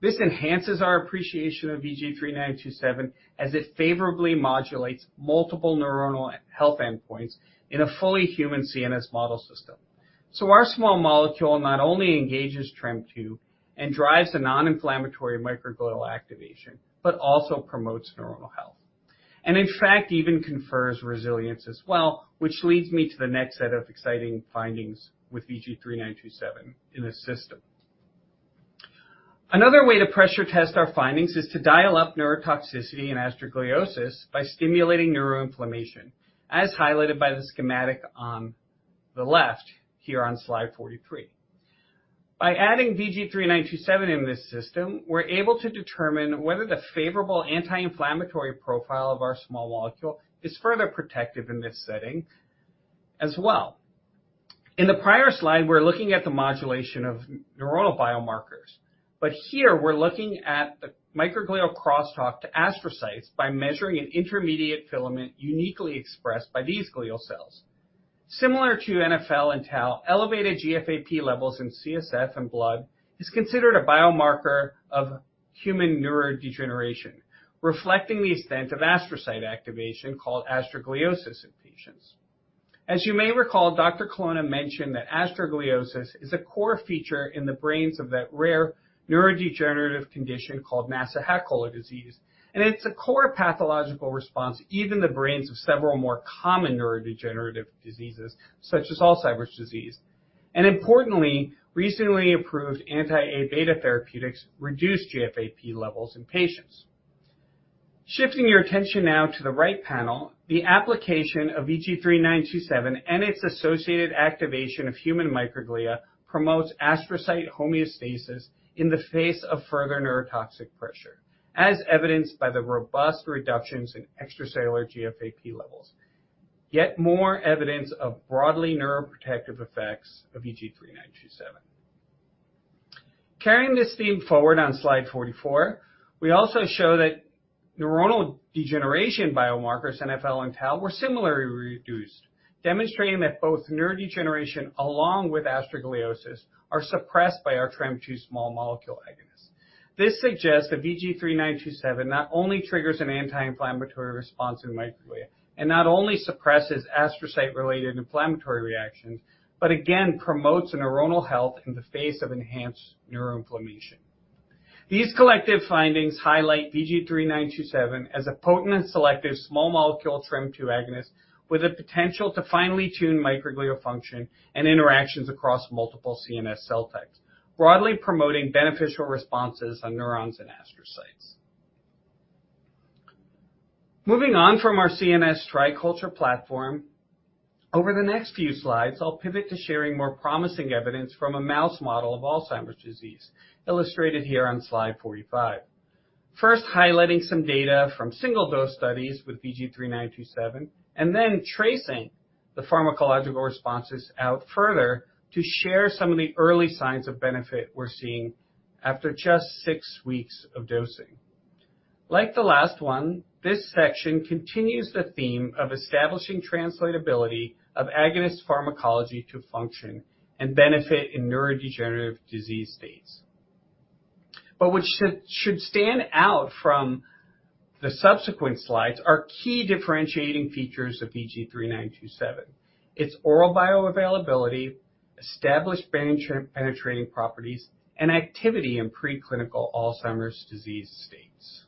This enhances our appreciation of VG-3927 as it favorably modulates multiple neuronal health endpoints in a fully human CNS model system. So our small molecule not only engages TREM2 and drives the non-inflammatory microglial activation, but also promotes neuronal health, and in fact, even confers resilience as well, which leads me to the next set of exciting findings with VG-3927 in the system. Another way to pressure test our findings is to dial up neurotoxicity and astrogliosis by stimulating neuroinflammation, as highlighted by the schematic on the left here on Slide 43. By adding VG-3927 in this system, we're able to determine whether the favorable anti-inflammatory profile of our small molecule is further protective in this setting as well. In the prior slide, we're looking at the modulation of neuronal biomarkers, but here we're looking at the microglial crosstalk to astrocytes by measuring an intermediate filament uniquely expressed by these glial cells. Similar to NfL and tau, elevated GFAP levels in CSF and blood is considered a biomarker of human neurodegeneration, reflecting the extent of astrocyte activation, called astrogliosis, in patients. As you may recall, Dr. Colonna mentioned that astrogliosis is a core feature in the brains of that rare neurodegenerative condition called Nasu-Hakola disease, and it's a core pathological response, even in the brains of several more common neurodegenerative diseases, such as Alzheimer's disease. Importantly, recently approved anti-Aβ therapeutics reduce GFAP levels in patients. Shifting your attention now to the right panel, the application of VG-3927 and its associated activation of human microglia promotes astrocyte homeostasis in the face of further neurotoxic pressure, as evidenced by the robust reductions in extracellular GFAP levels. Yet more evidence of broadly neuroprotective effects of VG-3927. Carrying this theme forward on Slide 44, we also show that neuronal degeneration biomarkers, NfL and tau, were similarly reduced, demonstrating that both neurodegeneration along with astrogliosis are suppressed by our TREM2 small molecule agonist. This suggests that VG-3927 not only triggers an anti-inflammatory response in microglia and not only suppresses astrocyte-related inflammatory reactions, but again, promotes a neuronal health in the face of enhanced neuroinflammation. These collective findings highlight VG-3927 as a potent and selective small molecule TREM2 agonist with a potential to finely tune microglial function and interactions across multiple CNS cell types, broadly promoting beneficial responses on neurons and astrocytes. Moving on from our CNS tri-culture platform, over the next few slides, I'll pivot to sharing more promising evidence from a mouse model of Alzheimer's disease, illustrated here on slide 45. First, highlighting some data from single dose studies with VG-3927, and then tracing the pharmacological responses out further to share some of the early signs of benefit we're seeing after just six weeks of dosing. Like the last one, this section continues the theme of establishing translatability of agonist pharmacology to function and benefit in neurodegenerative disease states. But what should stand out from the subsequent slides are key differentiating features of VG-3927: its oral bioavailability, established brain penetrating properties, and activity in preclinical Alzheimer's disease states.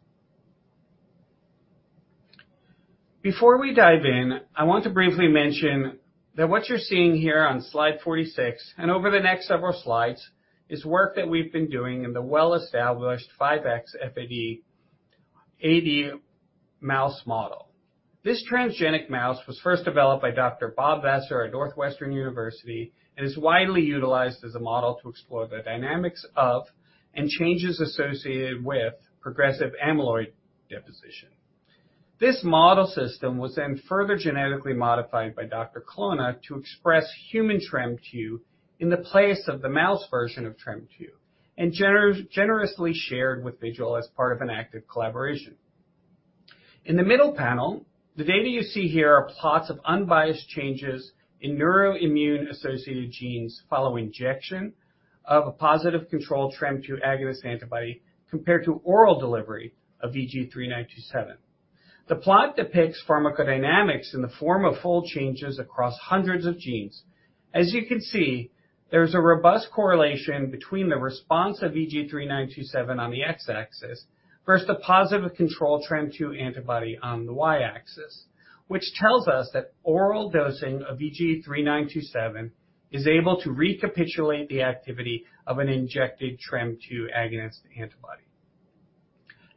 Before we dive in, I want to briefly mention that what you're seeing here on Slide 46, and over the next several slides, is work that we've been doing in the well-established 5xFAD AD mouse model. This transgenic mouse was first developed by Dr. Bob Vassar at Northwestern University and is widely utilized as a model to explore the dynamics of, and changes associated with, progressive amyloid deposition. This model system was then further genetically modified by Dr. Colonna to express human TREM2 in the place of the mouse version of TREM2 and generously shared with Vigil as part of an active collaboration. In the middle panel, the data you see here are plots of unbiased changes in neuroimmune-associated genes following injection of a positive control TREM2 agonist antibody, compared to oral delivery of VG-3927. The plot depicts pharmacodynamics in the form of fold changes across hundreds of genes. As you can see, there's a robust correlation between the response of VG-3927 on the y-axis versus the positive control TREM2 antibody on the y-axis, which tells us that oral dosing of VG-3927 is able to recapitulate the activity of an injected TREM2 agonist antibody.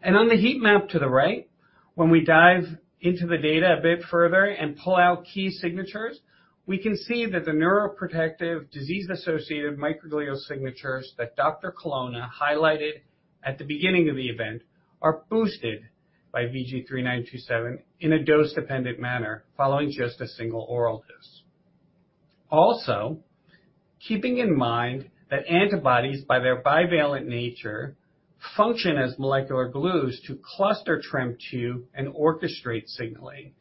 And on the heat map to the right, when we dive into the data a bit further and pull out key signatures, we can see that the neuroprotective disease-associated microglial signatures that Dr. Colonna highlighted at the beginning of the event are boosted by VG-3927 in a dose-dependent manner following just a single oral dose. Also, keeping in mind that antibodies, by their bivalent nature, function as molecular glues to cluster TREM2 and orchestrate signaling.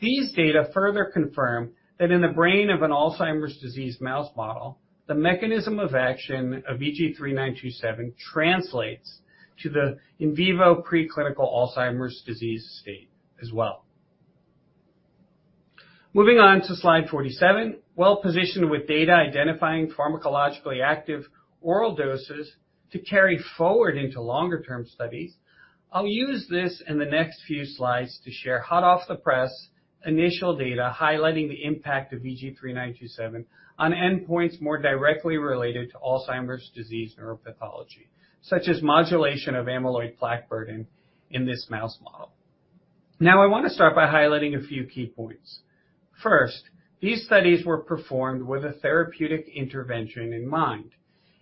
These data further confirm that in the brain of an Alzheimer's disease mouse model, the mechanism of action of VG-3927 translates to the in vivo preclinical Alzheimer's disease state as well. Moving on to Slide 47, well-positioned with data identifying pharmacologically active oral doses to carry forward into longer term studies, I'll use this in the next few slides to share hot-off-the-press initial data highlighting the impact of VG-3927 on endpoints more directly related to Alzheimer's disease neuropathology, such as modulation of amyloid plaque burden in this mouse model. Now, I want to start by highlighting a few key points. First, these studies were performed with a therapeutic intervention in mind,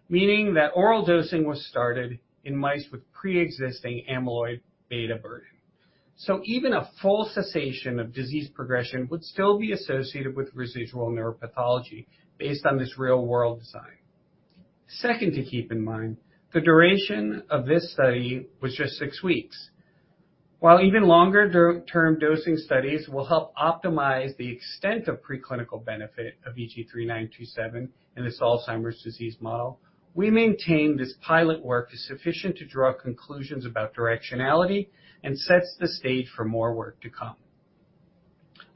meaning that oral dosing was started in mice with pre-existing amyloid beta burden. So even a full cessation of disease progression would still be associated with residual neuropathology based on this real-world design. Second, to keep in mind, the duration of this study was just 6 weeks. While even longer long-term dosing studies will help optimize the extent of preclinical benefit of VG-3927 in this Alzheimer's disease model, we maintain this pilot work is sufficient to draw conclusions about directionality and sets the stage for more work to come.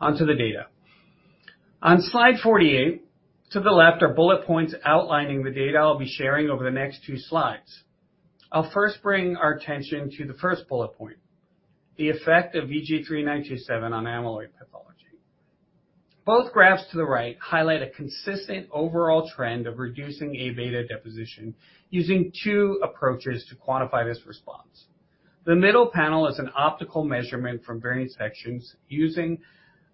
Onto the data. On Slide 48, to the left are bullet points outlining the data I'll be sharing over the next 2 slides. I'll first bring our attention to the first bullet point, the effect of VG-3927 on amyloid pathology. Both graphs to the right highlight a consistent overall trend of reducing Aβ deposition, using two approaches to quantify this response. The middle panel is an optical measurement from various sections using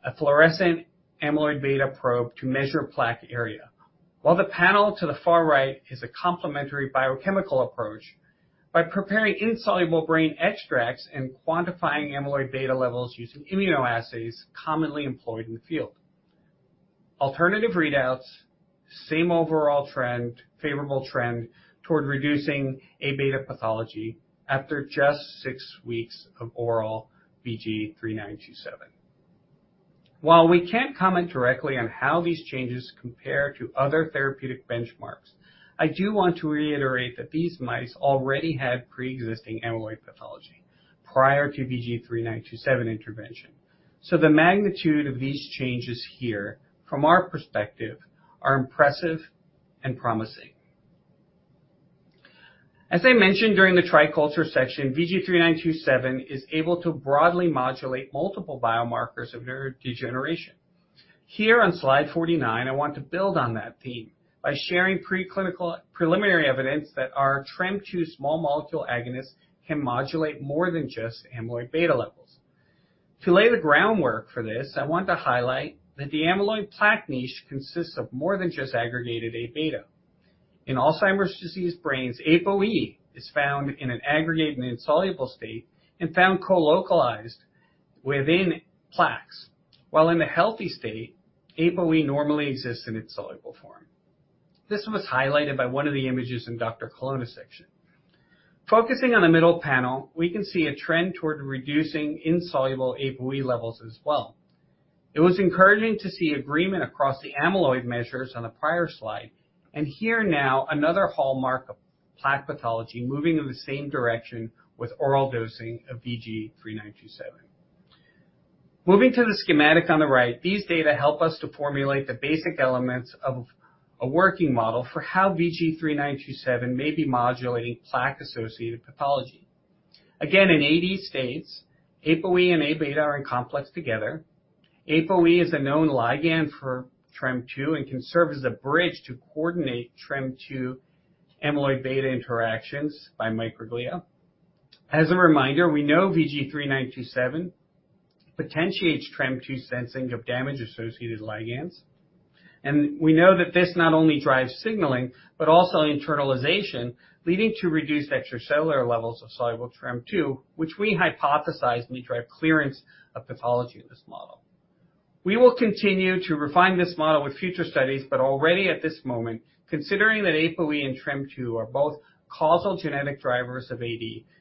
a fluorescent amyloid beta probe to measure plaque area. While the panel to the far right is a complementary biochemical approach by preparing insoluble brain extracts and quantifying amyloid beta levels using immunoassays commonly employed in the field. Alternative readouts, same overall trend, favorable trend toward reducing Aβ pathology after just six weeks of oral VG-3927. While we can't comment directly on how these changes compare to other therapeutic benchmarks, I do want to reiterate that these mice already had preexisting amyloid pathology prior to VG-3927 intervention. So the magnitude of these changes here, from our perspective, are impressive and promising. As I mentioned during the triculture section, VG-3927 is able to broadly modulate multiple biomarkers of neurodegeneration. Here on Slide 49, I want to build on that theme by sharing preclinical preliminary evidence that our TREM2 small molecule agonist can modulate more than just amyloid beta levels. To lay the groundwork for this, I want to highlight that the amyloid plaque niche consists of more than just aggregated Aβ. In Alzheimer's disease brains, ApoE is found in an aggregated and insoluble state and found colocalized within plaques, while in a healthy state, ApoE normally exists in its soluble form. This was highlighted by one of the images in Dr. Colonna's section. Focusing on the middle panel, we can see a trend toward reducing insoluble ApoE levels as well. It was encouraging to see agreement across the amyloid measures on the prior slide, and here now, another hallmark of plaque pathology moving in the same direction with oral dosing of VG-3927. Moving to the schematic on the right, these data help us to formulate the basic elements of a working model for how VG-3927 may be modulating plaque-associated pathology. Again, in AD states, ApoE and Aβ are in complex together. ApoE is a known ligand for TREM2 and can serve as a bridge to coordinate TREM2 amyloid beta interactions by microglia. As a reminder, we know VG-3927 potentiates TREM2 sensing of damage-associated ligands, and we know that this not only drives signaling but also internalization, leading to reduced extracellular levels of soluble TREM2, which we hypothesize may drive clearance of pathology in this model. We will continue to refine this model with future studies, but already at this moment, considering that ApoE and TREM2 are both causal genetic drivers of AD,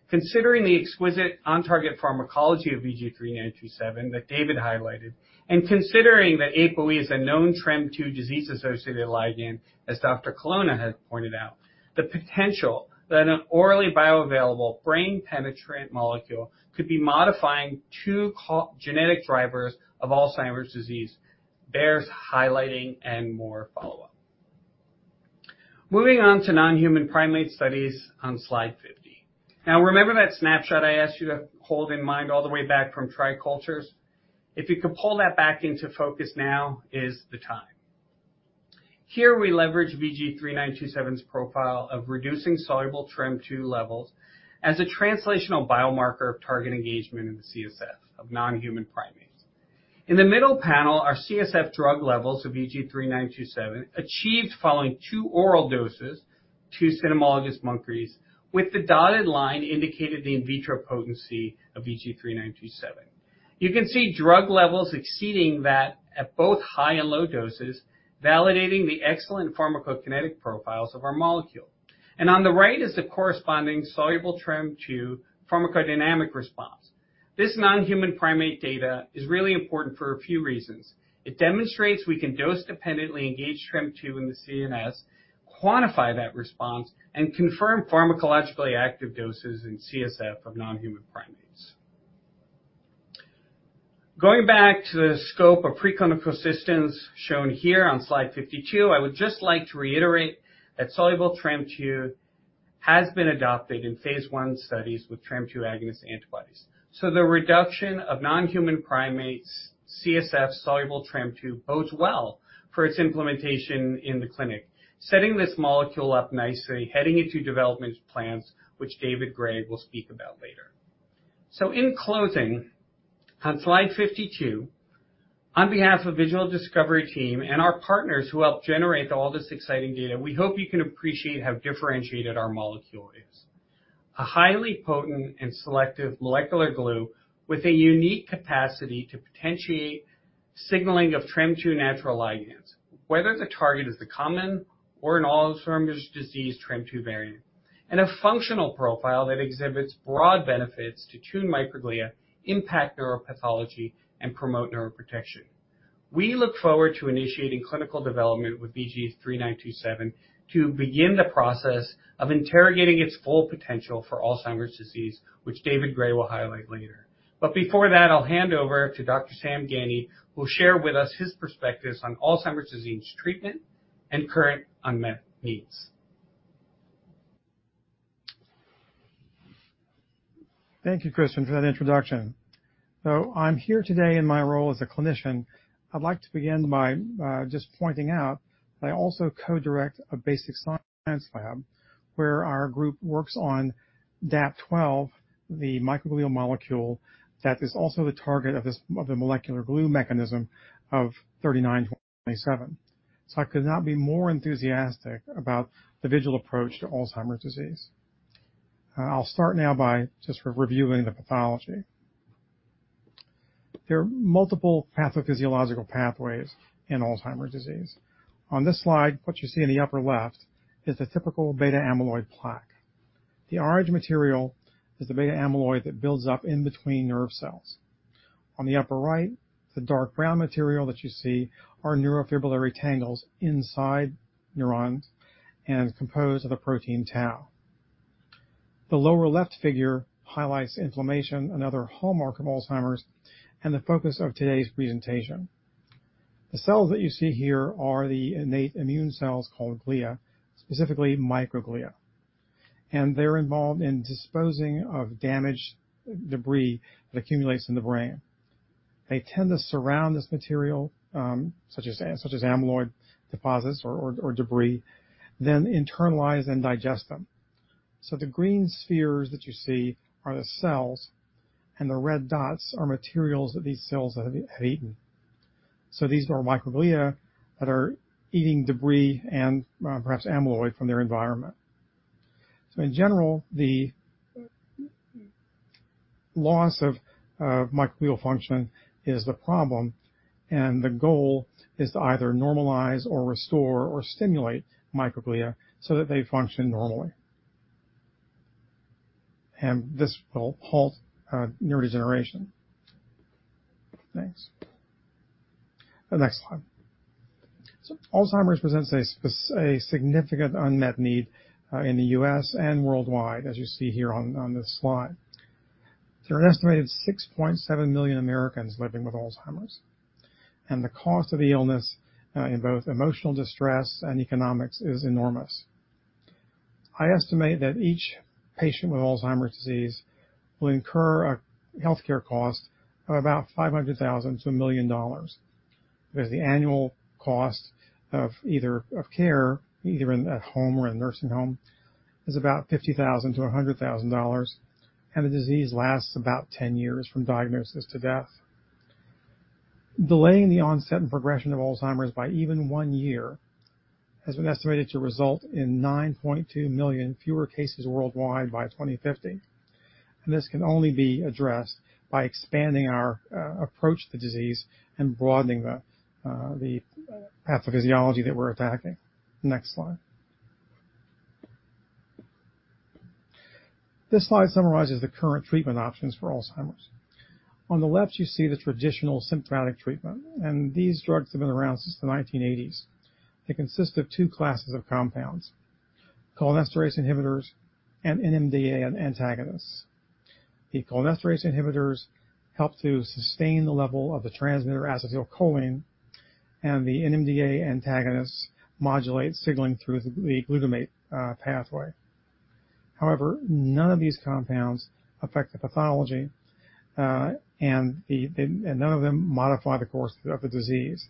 considering the exquisite on-target pharmacology of VG-3927 that David highlighted, and considering that ApoE is a known TREM2 disease-associated ligand, as Dr. Colonna has pointed out, the potential that an orally bioavailable brain penetrant molecule could be modifying two causal genetic drivers of Alzheimer's disease bears highlighting and more follow-up. Moving on to non-human primate studies on slide 50. Now, remember that snapshot I asked you to hold in mind all the way back from tricultures? If you could pull that back into focus now is the time. Here we leverage VG-3927's profile of reducing soluble TREM2 levels as a translational biomarker of target engagement in the CSF of non-human primates. In the middle panel are CSF drug levels of VG-3927 achieved following 2 oral doses to cynomolgus monkeys, with the dotted line indicated the in vitro potency of VG-3927. You can see drug levels exceeding that at both high and low doses, validating the excellent pharmacokinetic profiles of our molecule. On the right is the corresponding soluble TREM2 pharmacodynamic response. This non-human primate data is really important for a few reasons. It demonstrates we can dose-dependently engage TREM2 in the CNS, quantify that response, and confirm pharmacologically active doses in CSF of non-human primates. Going back to the scope of preclinical systems shown here on Slide 52, I would just like to reiterate that soluble TREM2 has been adopted in phase 1 studies with TREM2 agonist antibodies. So the reduction of non-human primates CSF soluble TREM2 bodes well for its implementation in the clinic, setting this molecule up nicely, heading into development plans, which David Gray will speak about later. So in closing, on Slide 52, on behalf of Vigil Discovery team and our partners who helped generate all this exciting data, we hope you can appreciate how differentiated our molecule is. A highly potent and selective molecular glue with a unique capacity to potentiate signaling of TREM2 natural ligands, whether the target is the common or an Alzheimer's disease TREM2 variant, and a functional profile that exhibits broad benefits to tune microglia, impact neuropathology, and promote neuroprotection. We look forward to initiating clinical development with VG-3927 to begin the process of interrogating its full potential for Alzheimer's disease, which David Gray will highlight later. But before that, I'll hand over to Dr. Sam Gandy, who will share with us his perspectives on Alzheimer's disease treatment and current unmet needs. Thank you, Christian, for that introduction. So I'm here today in my role as a clinician. I'd like to begin by just pointing out that I also co-direct a basic science lab, where our group works on DAP12, the microglial molecule that is also the target of this, of the molecular glue mechanism of 3927. So I could not be more enthusiastic about the Vigil approach to Alzheimer's disease. I'll start now by just reviewing the pathology. There are multiple pathophysiological pathways in Alzheimer's disease. On this slide, what you see in the upper left is the typical beta amyloid plaque. The orange material is the beta amyloid that builds up in between nerve cells. On the upper right, the dark brown material that you see are neurofibrillary tangles inside neurons and composed of the protein tau. The lower left figure highlights inflammation, another hallmark of Alzheimer's and the focus of today's presentation. The cells that you see here are the innate immune cells called glia, specifically microglia, and they're involved in disposing of damaged debris that accumulates in the brain. They tend to surround this material, such as amyloid deposits or debris, then internalize and digest them. So the green spheres that you see are the cells, and the red dots are materials that these cells have eaten. So these are microglia that are eating debris and perhaps amyloid from their environment. So in general, the loss of microglial function is the problem, and the goal is to either normalize or restore or stimulate microglia so that they function normally. And this will halt neurodegeneration. Next. The next slide. So Alzheimer's presents a spec... A significant unmet need in the U.S. and worldwide, as you see here on this slide. There are an estimated 6.7 million Americans living with Alzheimer's, and the cost of the illness in both emotional distress and economics is enormous. I estimate that each patient with Alzheimer's disease will incur a healthcare cost of about $500,000-$1 million. Because the annual cost of either of care, either in the home or in a nursing home, is about $50,000-$100,000, and the disease lasts about 10 years from diagnosis to death. Delaying the onset and progression of Alzheimer's by even one year has been estimated to result in 9.2 million fewer cases worldwide by 2050. And this can only be addressed by expanding our approach to the disease and broadening the pathophysiology that we're attacking. Next slide. This slide summarizes the current treatment options for Alzheimer's. On the left, you see the traditional symptomatic treatment, and these drugs have been around since the 1980s. They consist of two classes of compounds, cholinesterase inhibitors and NMDA antagonists. The cholinesterase inhibitors help to sustain the level of the transmitter acetylcholine, and the NMDA antagonists modulate signaling through the glutamate pathway. However, none of these compounds affect the pathology, and none of them modify the course of the disease.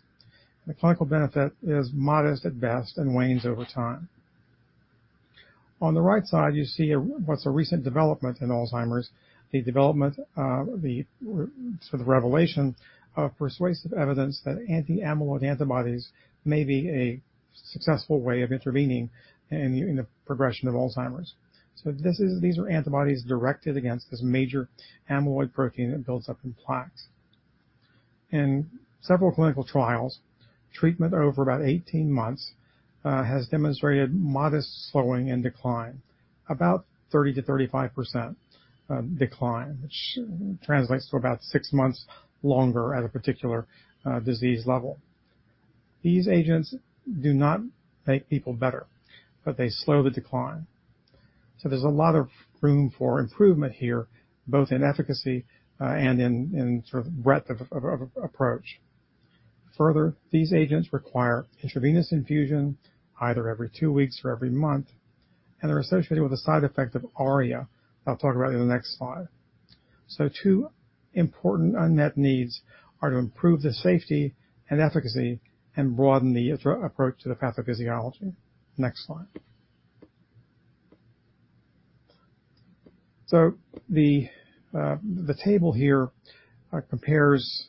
The clinical benefit is modest at best and wanes over time. On the right side, you see a recent development in Alzheimer's, the development of the re... Sort of revelation of persuasive evidence that anti-amyloid antibodies may be a successful way of intervening in, in the progression of Alzheimer's. So this is, these are antibodies directed against this major amyloid protein that builds up in plaques. In several clinical trials, treatment over about 18 months has demonstrated modest slowing and decline, about 30%-35% decline, which translates to about six months longer at a particular disease level. These agents do not make people better, but they slow the decline. So there's a lot of room for improvement here, both in efficacy and in, in sort of breadth of, of, of approach. Further, these agents require intravenous infusion, either every two weeks or every month, and they're associated with a side effect of ARIA, that I'll talk about in the next slide. Two important unmet needs are to improve the safety and efficacy and broaden the overall approach to the pathophysiology. Next slide. The table here compares,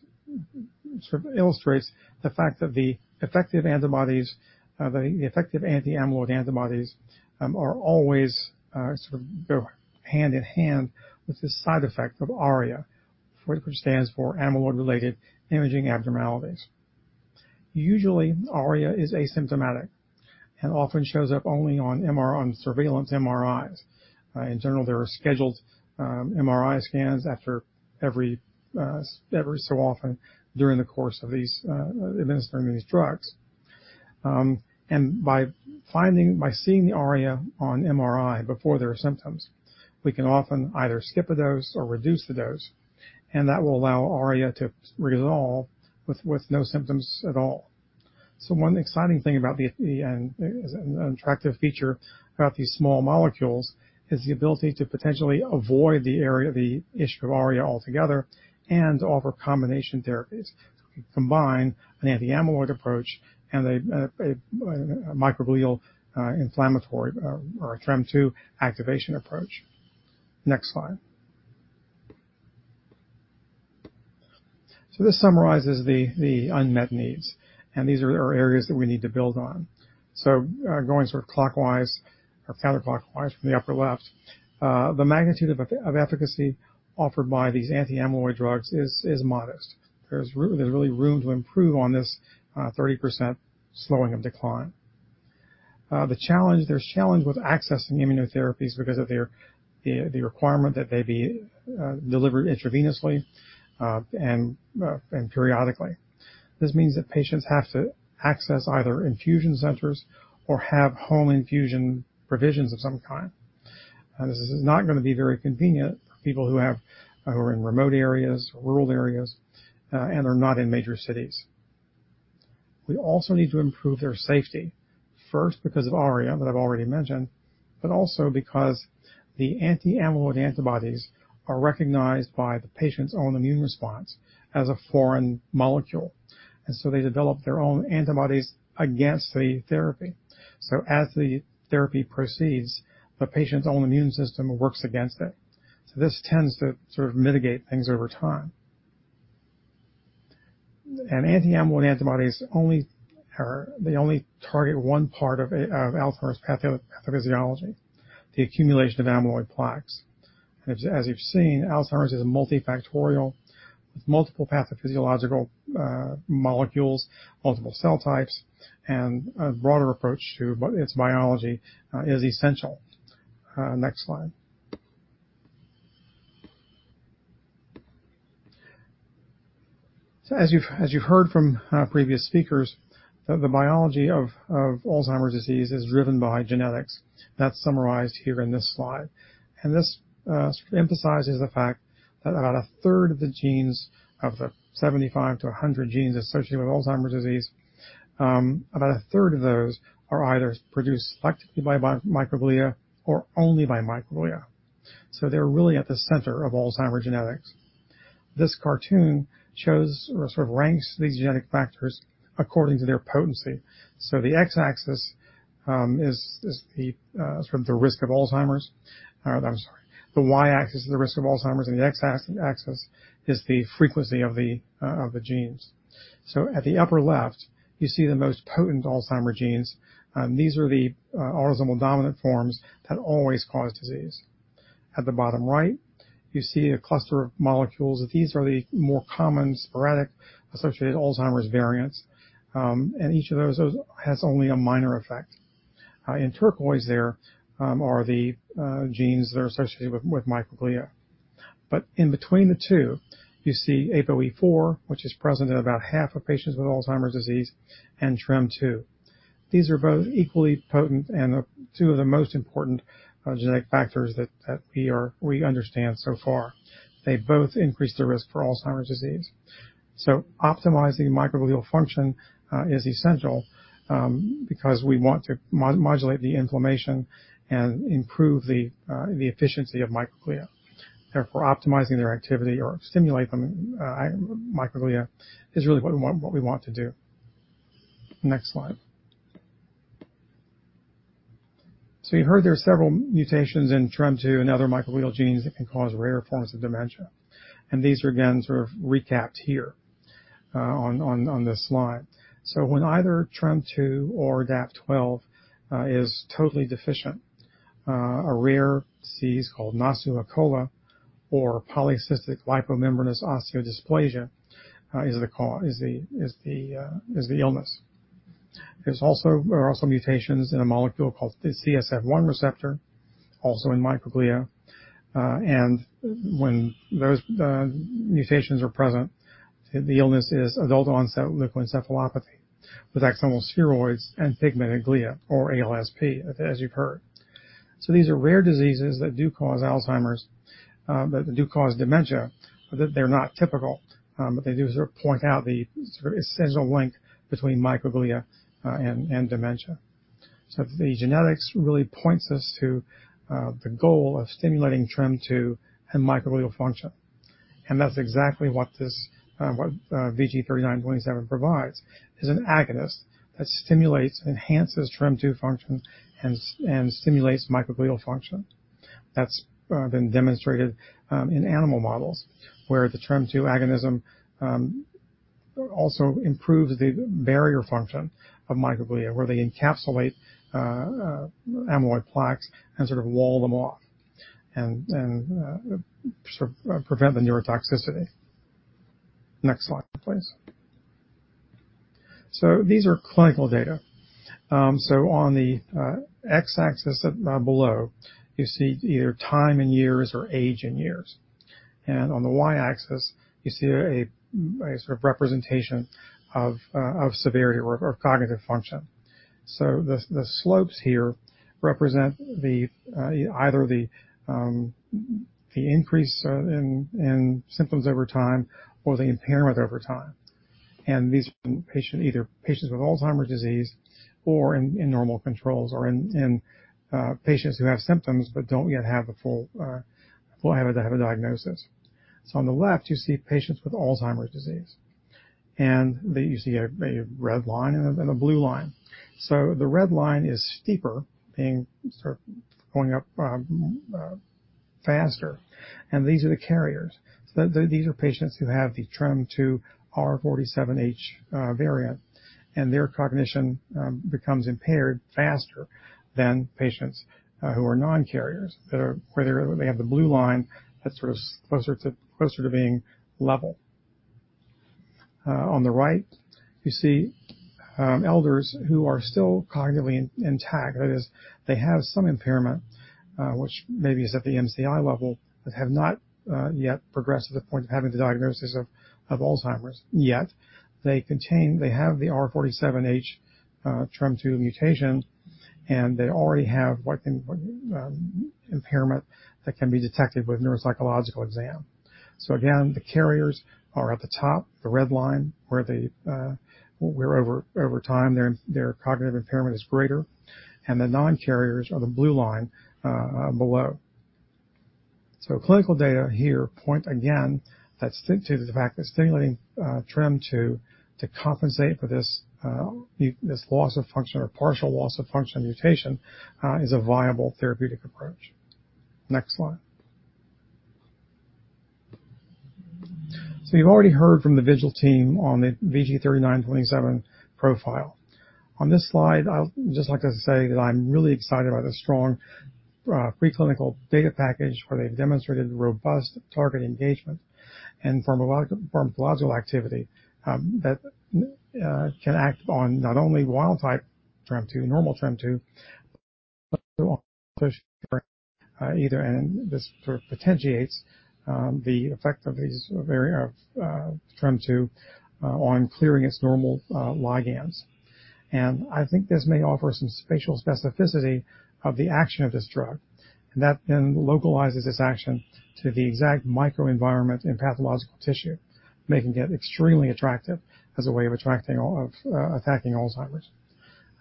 sort of illustrates the fact that the effective antibodies, the effective anti-amyloid antibodies, are always, sort of go hand in hand with the side effect of ARIA, which stands for amyloid-related imaging abnormalities. Usually, ARIA is asymptomatic and often shows up only on surveillance MRIs. In general, there are scheduled MRI scans after every so often during the course of administering these drugs. And by seeing the ARIA on MRI before there are symptoms, we can often either skip a dose or reduce the dose, and that will allow ARIA to resolve with no symptoms at all. So one exciting thing about an attractive feature about these small molecules is the ability to potentially avoid the ARIA, the issue of ARIA altogether and offer combination therapies. So we can combine an anti-amyloid approach and a microglial inflammatory or a TREM2 activation approach. Next slide. So this summarizes the unmet needs, and these are areas that we need to build on. So going sort of clockwise or counterclockwise from the upper left, the magnitude of efficacy offered by these anti-amyloid drugs is modest. There's really room to improve on this, 30% slowing of decline. The challenge with accessing immunotherapies because of their requirement that they be delivered intravenously and periodically. This means that patients have to access either infusion centers or have home infusion provisions of some kind. This is not gonna be very convenient for people who have, who are in remote areas or rural areas, and are not in major cities. We also need to improve their safety. First, because of ARIA that I've already mentioned, but also because the anti-amyloid antibodies are recognized by the patient's own immune response as a foreign molecule, and so they develop their own antibodies against the therapy. So as the therapy proceeds, the patient's own immune system works against it. So this tends to sort of mitigate things over time. And anti-amyloid antibodies only are. They only target one part of, of Alzheimer's patho, pathophysiology, the accumulation of amyloid plaques. As you've seen, Alzheimer's is a multifactorial with multiple pathophysiological molecules, multiple cell types, and a broader approach to but its biology is essential. Next slide. So as you've heard from previous speakers, that the biology of Alzheimer's disease is driven by genetics. That's summarized here in this slide. This emphasizes the fact that about a third of the genes, of the 75-100 genes associated with Alzheimer's disease, about a third of those are either produced selectively by microglia or only by microglia. So they're really at the center of Alzheimer's genetics. This cartoon shows or sort of ranks these genetic factors according to their potency. So the x-axis is the sort of the risk of Alzheimer's. I'm sorry. The y-axis is the risk of Alzheimer's, and the x-axis is the frequency of the genes. So at the upper left, you see the most potent Alzheimer's genes. These are the autosomal dominant forms that always cause disease. At the bottom right, you see a cluster of molecules that these are the more common, sporadic, associated Alzheimer's variants. And each of those has only a minor effect. In turquoise there are the genes that are associated with microglia. But in between the two, you see APOE4, which is present in about half of patients with Alzheimer's disease, and TREM2. These are both equally potent and the two of the most important genetic factors that we understand so far. They both increase the risk for Alzheimer's disease. So optimizing microglial function is essential because we want to modulate the inflammation and improve the efficiency of microglia. Therefore, optimizing their activity or stimulate them, microglia, is really what we want, what we want to do. Next slide. So you heard there are several mutations in TREM2 and other microglial genes that can cause rare forms of dementia. And these are again, sort of recapped here, on this slide. So when either TREM2 or DAP12 is totally deficient, a rare disease called Nasu-Hakola or polycystic lipomembranous osteodysplasia is the illness. There are also mutations in a molecule called the CSF1 receptor, also in microglia. And when those mutations are present, the illness is adult-onset leukoencephalopathy with axonal spheroids and pigmented glia, or ALSP, as you've heard. So these are rare diseases that do cause Alzheimer's, that do cause dementia, but they're not typical. But they do sort of point out the sort of essential link between microglia and dementia. So the genetics really points us to the goal of stimulating TREM2 and microglial function. And that's exactly what VG-3927 provides, is an agonist that stimulates and enhances TREM2 function and stimulates microglial function. That's been demonstrated in animal models, where the TREM2 agonism also improves the barrier function of microglia, where they encapsulate amyloid plaques and sort of wall them off and sort of prevent the neurotoxicity. Next slide, please. So these are clinical data. So on the y-axis below, you see either time in years or age in years. And on the y-axis, you see a sort of representation of severity or cognitive function. So the slopes here represent either the increase in symptoms over time or the impairment over time. And these patients, either patients with Alzheimer's disease or normal controls or patients who have symptoms but don't yet have a full diagnosis. So on the left, you see patients with Alzheimer's disease, and they usually have a red line and a blue line. So the red line is steeper, being sort of going up faster. And these are the carriers. So these are patients who have the TREM2 R47H variant, and their cognition becomes impaired faster than patients who are non-carriers, where they have the blue line that's sort of closer to being level. On the right, you see elders who are still cognitively intact. That is, they have some impairment which maybe is at the MCI level, but have not yet progressed to the point of having the diagnosis of Alzheimer's. Yet they have the R47H TREM2 mutation, and they already have impairment that can be detected with neuropsychological exam. So again, the carriers are at the top, the red line, where over time their cognitive impairment is greater, and the non-carriers are the blue line below. So clinical data here point again to the fact that stimulating TREM2 to compensate for this this loss of function or partial loss of function mutation is a viable therapeutic approach. Next slide. So you've already heard from the Vigil team on the VG-3927 profile. On this slide, I'll just like to say that I'm really excited about the strong preclinical data package, where they've demonstrated robust target engagement and pharmacological activity that can act on not only wild type TREM2, normal TREM2, either, and this sort of potentiates the effect of these variant TREM2 on clearing its normal ligands. And I think this may offer some spatial specificity of the action of this drug. That then localizes this action to the exact microenvironment in pathological tissue, making it extremely attractive as a way of attacking Alzheimer's.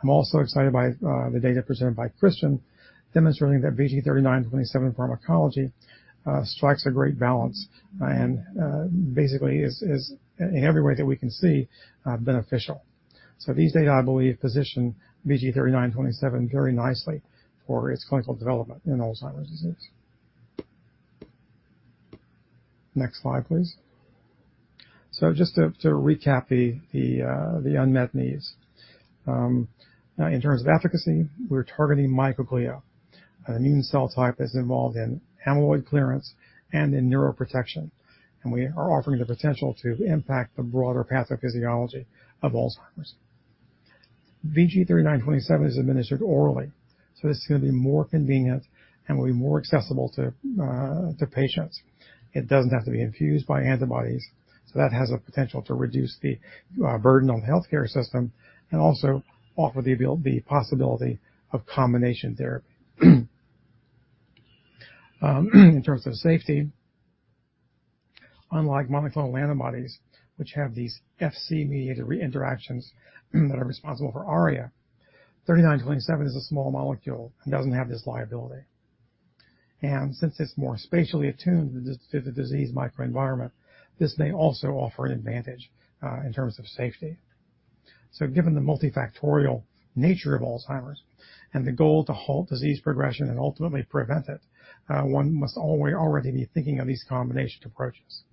I'm also excited by the data presented by Christian, demonstrating that VG-3927 pharmacology strikes a great balance and basically is in every way that we can see beneficial. So these data, I believe, position VG-3927 very nicely for its clinical development in Alzheimer's disease. Next slide, please. So just to recap the unmet needs. In terms of efficacy, we're targeting microglia, an immune cell type that's involved in amyloid clearance and in neuroprotection. And we are offering the potential to impact the broader pathophysiology of Alzheimer's. VG-3927 is administered orally, so this is gonna be more convenient and will be more accessible to patients. It doesn't have to be infused by antibodies, so that has a potential to reduce the burden on the healthcare system and also offer the possibility of combination therapy. In terms of safety, unlike monoclonal antibodies, which have these Fc-mediated interactions that are responsible for ARIA, VG-3927 is a small molecule and doesn't have this liability. And since it's more spatially attuned to the disease microenvironment, this may also offer an advantage in terms of safety. So given the multifactorial nature of Alzheimer's and the goal to halt disease progression and ultimately prevent it, one must always already be thinking of these combination approaches.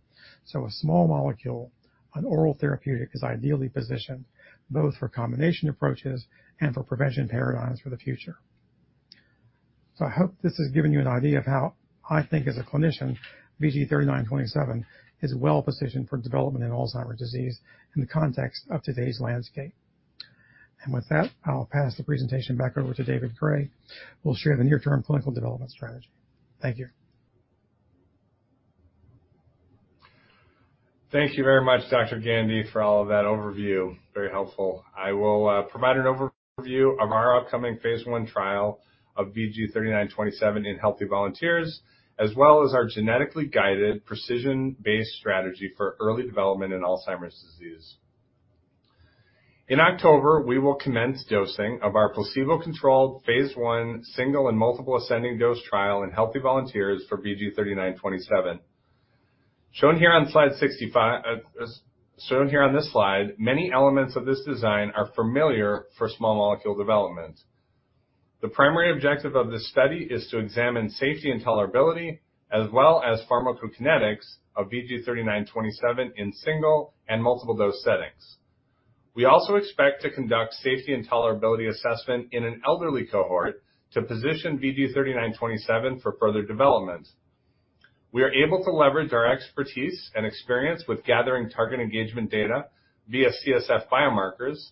So a small molecule, an oral therapeutic, is ideally positioned both for combination approaches and for prevention paradigms for the future. I hope this has given you an idea of how I think, as a clinician, VG-3927 is well positioned for development in Alzheimer's disease in the context of today's landscape. With that, I'll pass the presentation back over to David Gray, who will share the near-term clinical development strategy. Thank you. Thank you very much, Dr. Gandy, for all of that overview. Very helpful. I will provide an overview of our upcoming phase I trial of VG-3927 in healthy volunteers, as well as our genetically guided precision-based strategy for early development in Alzheimer's disease. In October, we will commence dosing of our placebo-controlled phase 1, single and multiple ascending dose trial in healthy volunteers for VG-3927. As shown here on this slide, many elements of this design are familiar for small molecule development. The primary objective of this study is to examine safety and tolerability, as well as pharmacokinetics of VG-3927 in single and multiple dose settings. We also expect to conduct safety and tolerability assessment in an elderly cohort to position VG-3927 for further development. We are able to leverage our expertise and experience with gathering target engagement data via CSF biomarkers.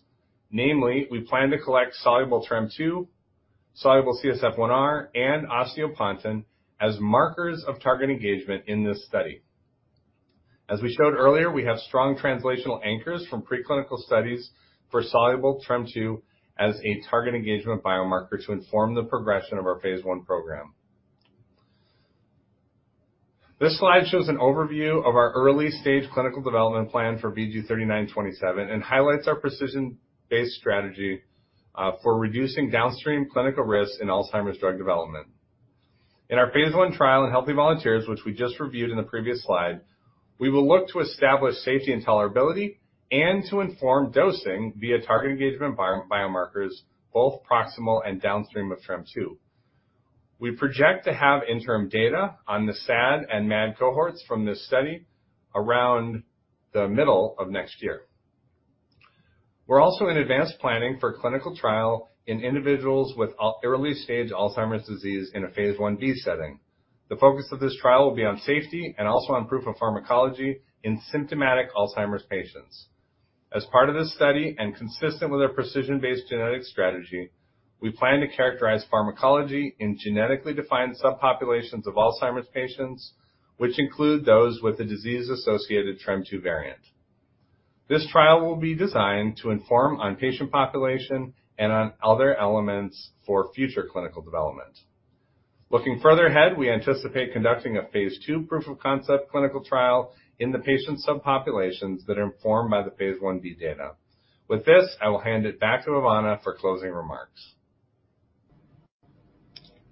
Namely, we plan to collect soluble TREM2, soluble CSF1R, and osteopontin as markers of target engagement in this study. As we showed earlier, we have strong translational anchors from preclinical studies for soluble TREM2 as a target engagement biomarker to inform the progression of our phase one program. This slide shows an overview of our early-stage clinical development plan for VG-3927 and highlights our precision-based strategy for reducing downstream clinical risk in Alzheimer's drug development. In our phase one trial in healthy volunteers, which we just reviewed in the previous slide, we will look to establish safety and tolerability and to inform dosing via target engagement environment biomarkers, both proximal and downstream of TREM2. We project to have interim data on the SAD and MAD cohorts from this study around the middle of next year. We're also in advanced planning for clinical trial in individuals with early-stage Alzheimer's disease in a phase IB setting. The focus of this trial will be on safety and also on proof of pharmacology in symptomatic Alzheimer's patients. As part of this study, and consistent with our precision-based genetic strategy, we plan to characterize pharmacology in genetically defined subpopulations of Alzheimer's patients, which include those with the disease-associated TREM2 variant. This trial will be designed to inform on patient population and on other elements for future clinical development. Looking further ahead, we anticipate conducting a phase II proof of concept clinical trial in the patient subpopulations that are informed by the phase IB data. With this, I will hand it back to Ivana for closing remarks.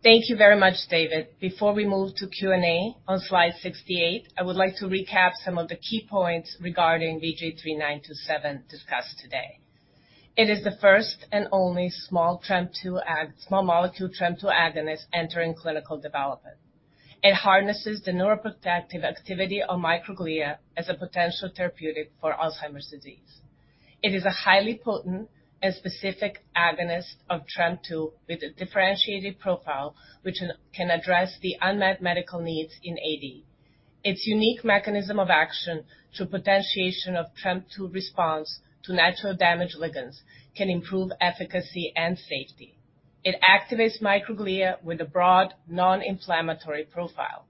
Thank you very much, David. Before we move to Q&A, on Slide 68, I would like to recap some of the key points regarding VG-3927 discussed today. It is the first and only small molecule TREM2 agonist entering clinical development. It harnesses the neuroprotective activity of microglia as a potential therapeutic for Alzheimer's disease. It is a highly potent and specific agonist of TREM2 with a differentiated profile, which can, can address the unmet medical needs in AD. Its unique mechanism of action through potentiation of TREM2 response to natural damage ligands can improve efficacy and safety. It activates microglia with a broad, non-inflammatory profile.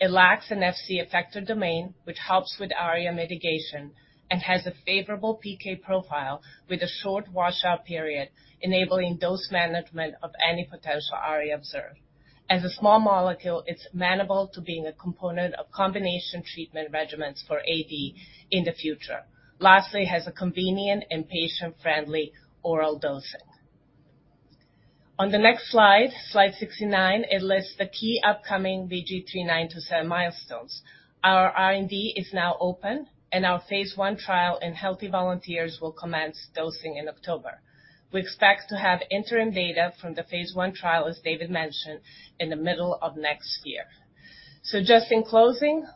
It lacks an Fc effector domain, which helps with ARIA mitigation and has a favorable PK profile with a short washout period, enabling dose management of any potential ARIA observed. As a small molecule, it's manageable to being a component of combination treatment regimens for AD in the future. Lastly, has a convenient and patient-friendly oral dosing. On the next slide, Slide 69, it lists the key upcoming VG-3927 milestones. Our R&D is now open, and our phase one trial in healthy volunteers will commence dosing in October. We expect to have interim data from the phase one trial, as David mentioned, in the middle of next year. So just in closing,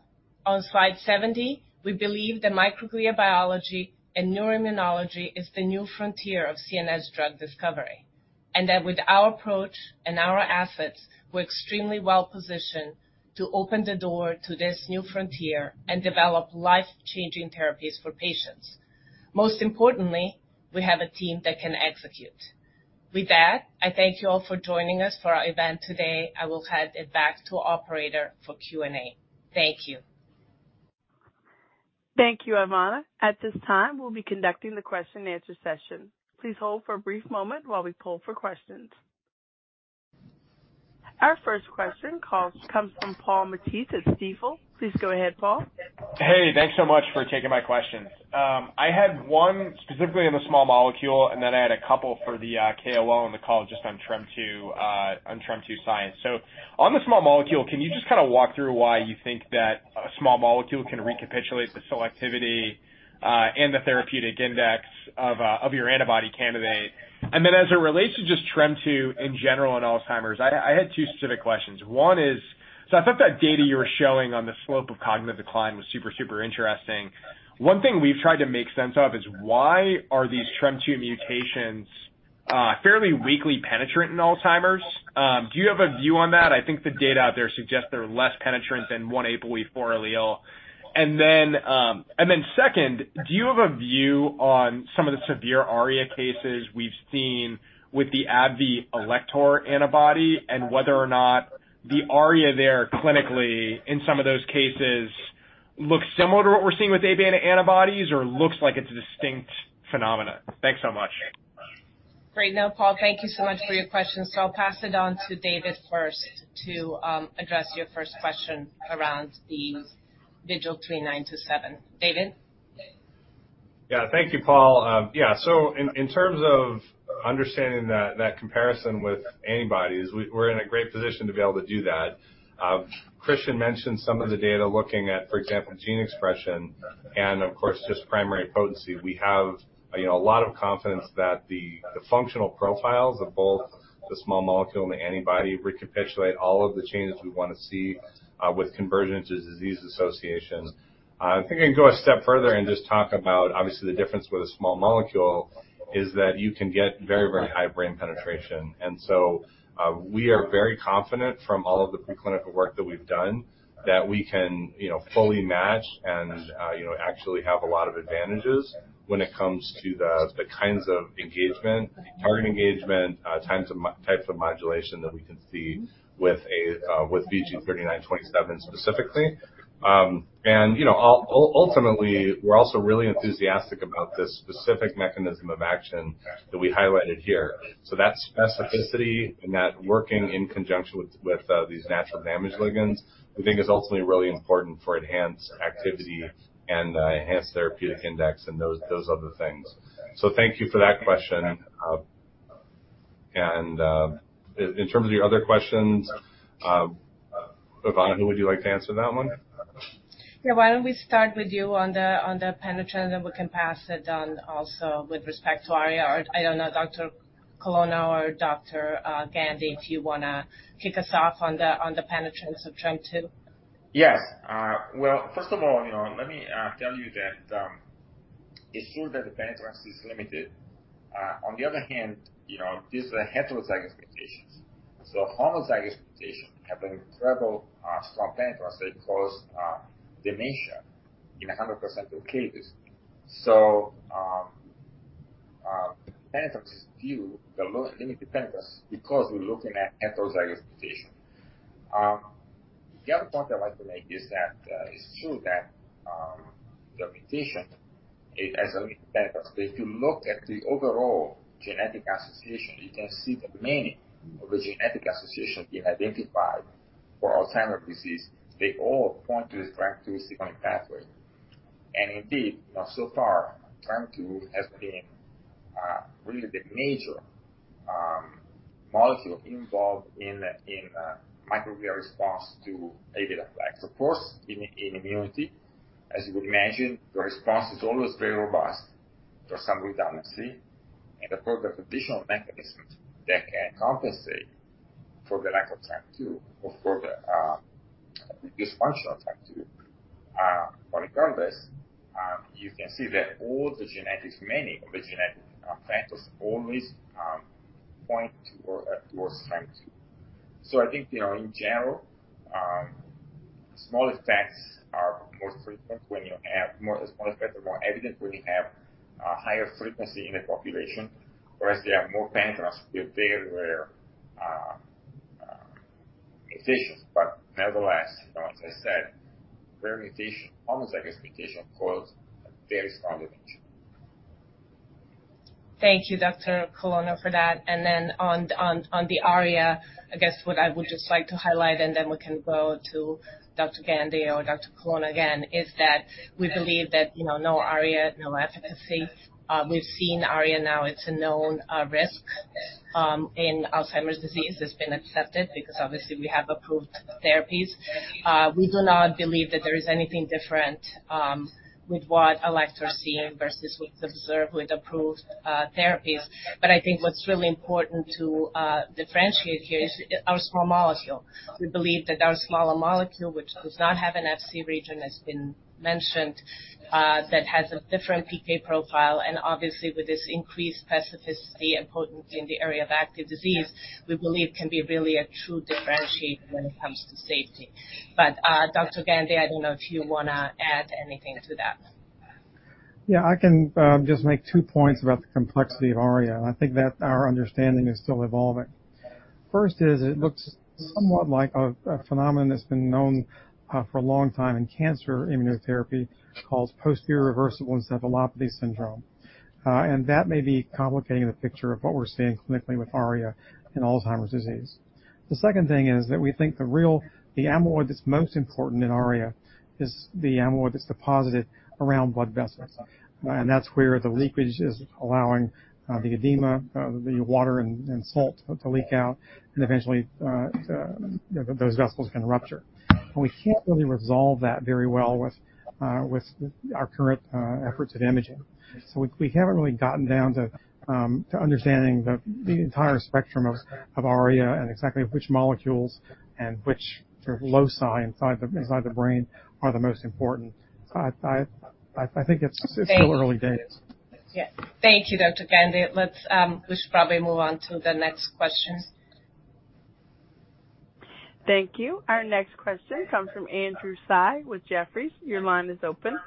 on Slide 70, we believe that microglia biology and neuroimmunology is the new frontier of CNS drug discovery, and that with our approach and our assets, we're extremely well-positioned to open the door to this new frontier and develop life-changing therapies for patients. Most importantly, we have a team that can execute. With that, I thank you all for joining us for our event today. I will hand it back to operator for Q&A. Thank you. Thank you, Ivana. At this time, we'll be conducting the question and answer session. Please hold for a brief moment while we poll for questions. Our first question comes from Paul Matteis at Stifel. Please go ahead, Paul. Hey, thanks so much for taking my questions. I had one specifically on the small molecule, and then I had a couple for the KOL on the call, just on TREM2 science. So on the small molecule, can you just kinda walk through why you think that a small molecule can recapitulate the selectivity and the therapeutic index of your antibody candidate? And then as it relates to just TREM2 in general in Alzheimer's, I had two specific questions. One is, so I thought that data you were showing on the slope of cognitive decline was super, super interesting. One thing we've tried to make sense of is: Why are these TREM2 mutations fairly weakly penetrant in Alzheimer's? Do you have a view on that? I think the data out there suggests they're less penetrant than one APOE4 allele. And then, and then second, do you have a view on some of the severe ARIA cases we've seen with the Alector antibody, and whether or not the ARIA there clinically, in some of those cases, looks similar to what we're seeing with Aβ antibody antibodies or looks like it's a distinct phenomenon? Thanks so much. Great. Now, Paul, thank you so much for your questions. So I'll pass it on to David first to address your first question around the VG-3927. David? Yeah. Thank you, Paul. Yeah, so in terms of understanding that comparison with antibodies, we're in a great position to be able to do that. Christian mentioned some of the data looking at, for example, gene expression and, of course, just primary potency. We have, you know, a lot of confidence that the functional profiles of both the small molecule and the antibody recapitulate all of the changes we want to see with disease-associated microglia. I think I can go a step further and just talk about, obviously, the difference with a small molecule is that you can get very, very high brain penetration. And so, we are very confident from all of the preclinical work that we've done, that we can, you know, fully match and, you know, actually have a lot of advantages when it comes to the kinds of engagement, target engagement, types of modulation that we can see with a, with VG-3927 specifically. And, you know, ultimately, we're also really enthusiastic about this specific mechanism of action that we highlighted here. So that specificity and that working in conjunction with, with, these natural damage ligands, we think is ultimately really important for enhanced activity and, enhanced therapeutic index and those, those other things. So thank you for that question. And, in terms of your other questions, Ivana, who would you like to answer that one? Yeah, why don't we start with you on the penetrant, and we can pass it on also with respect to ARIA, or I don't know, Dr. Colonna or Dr. Gandy, if you wanna kick us off on the penetrance of TREM2? Yes. Well, first of all, you know, let me tell you that it's true that the penetrance is limited. On the other hand, you know, these are heterozygous mutations. So homozygous mutations have an incredible strong penetrance that cause dementia in 100% of cases. So, the low limited penetrance because we're looking at heterozygous mutation. The other point I'd like to make is that it's true that the mutation it has a limited penetrance. If you look at the overall genetic association, you can see that many of the genetic associations being identified for Alzheimer's disease they all point to this TREM2 signaling pathway. And indeed, you know, so far, TREM2 has been really the major molecule involved in microglial response to Aβ plaque. Of course, in immunity, as you would imagine, the response is always very robust. There's some redundancy, and of course, there's additional mechanisms that can compensate for the lack of TREM2 or for the reduced functional TREM2. But regardless, you can see that all the genetics, many of the genetic factors always point to or towards TREM2. So I think, you know, in general, small effects are more frequent when you have more, small effects are more evident when you have a higher frequency in a population, whereas there are more penetrance with very rare mutations. But nevertheless, as I said, rare mutation, homozygous mutation, causes a very strong mutation. Thank you, Dr. Colonna, for that. Then on the ARIA, I guess what I would just like to highlight, and then we can go to Dr. Gandy or Dr. Colonna again, is that we believe that, you know, no ARIA, no efficacy. We've seen ARIA now, it's a known risk in Alzheimer's disease. It's been accepted because obviously we have approved therapies. We do not believe that there is anything different with what Alector is seeing versus what's observed with approved therapies. But I think what's really important to differentiate here is our small molecule. We believe that our smaller molecule, which does not have an Fc region, has been mentioned, that has a different PK profile, and obviously, with this increased specificity and potency in the area of active disease, we believe can be really a true differentiator when it comes to safety. But, Dr. Gandy, I don't know if you wanna add anything to that. Yeah, I can just make two points about the complexity of ARIA. I think that our understanding is still evolving. First is, it looks somewhat like a phenomenon that's been known for a long time in cancer immunotherapy called Posterior Reversible Encephalopathy Syndrome. And that may be complicating the picture of what we're seeing clinically with ARIA in Alzheimer's disease. The second thing is that we think the real, the amyloid that's most important in ARIA is the amyloid that's deposited around blood vessels. And that's where the leakage is allowing the edema, the water and salt to leak out, and eventually those vessels can rupture. And we can't really resolve that very well with our current efforts at imaging. So we haven't really gotten down to to understanding the entire spectrum of ARIA and exactly which molecules and which sort of loci inside the brain are the most important. So I think it's- Thank you. still early days. Yeah. Thank you, Dr. Gandy. Let's, we should probably move on to the next question. Thank you. Our next question comes from Andrew Tsai with Jefferies. Your line is open.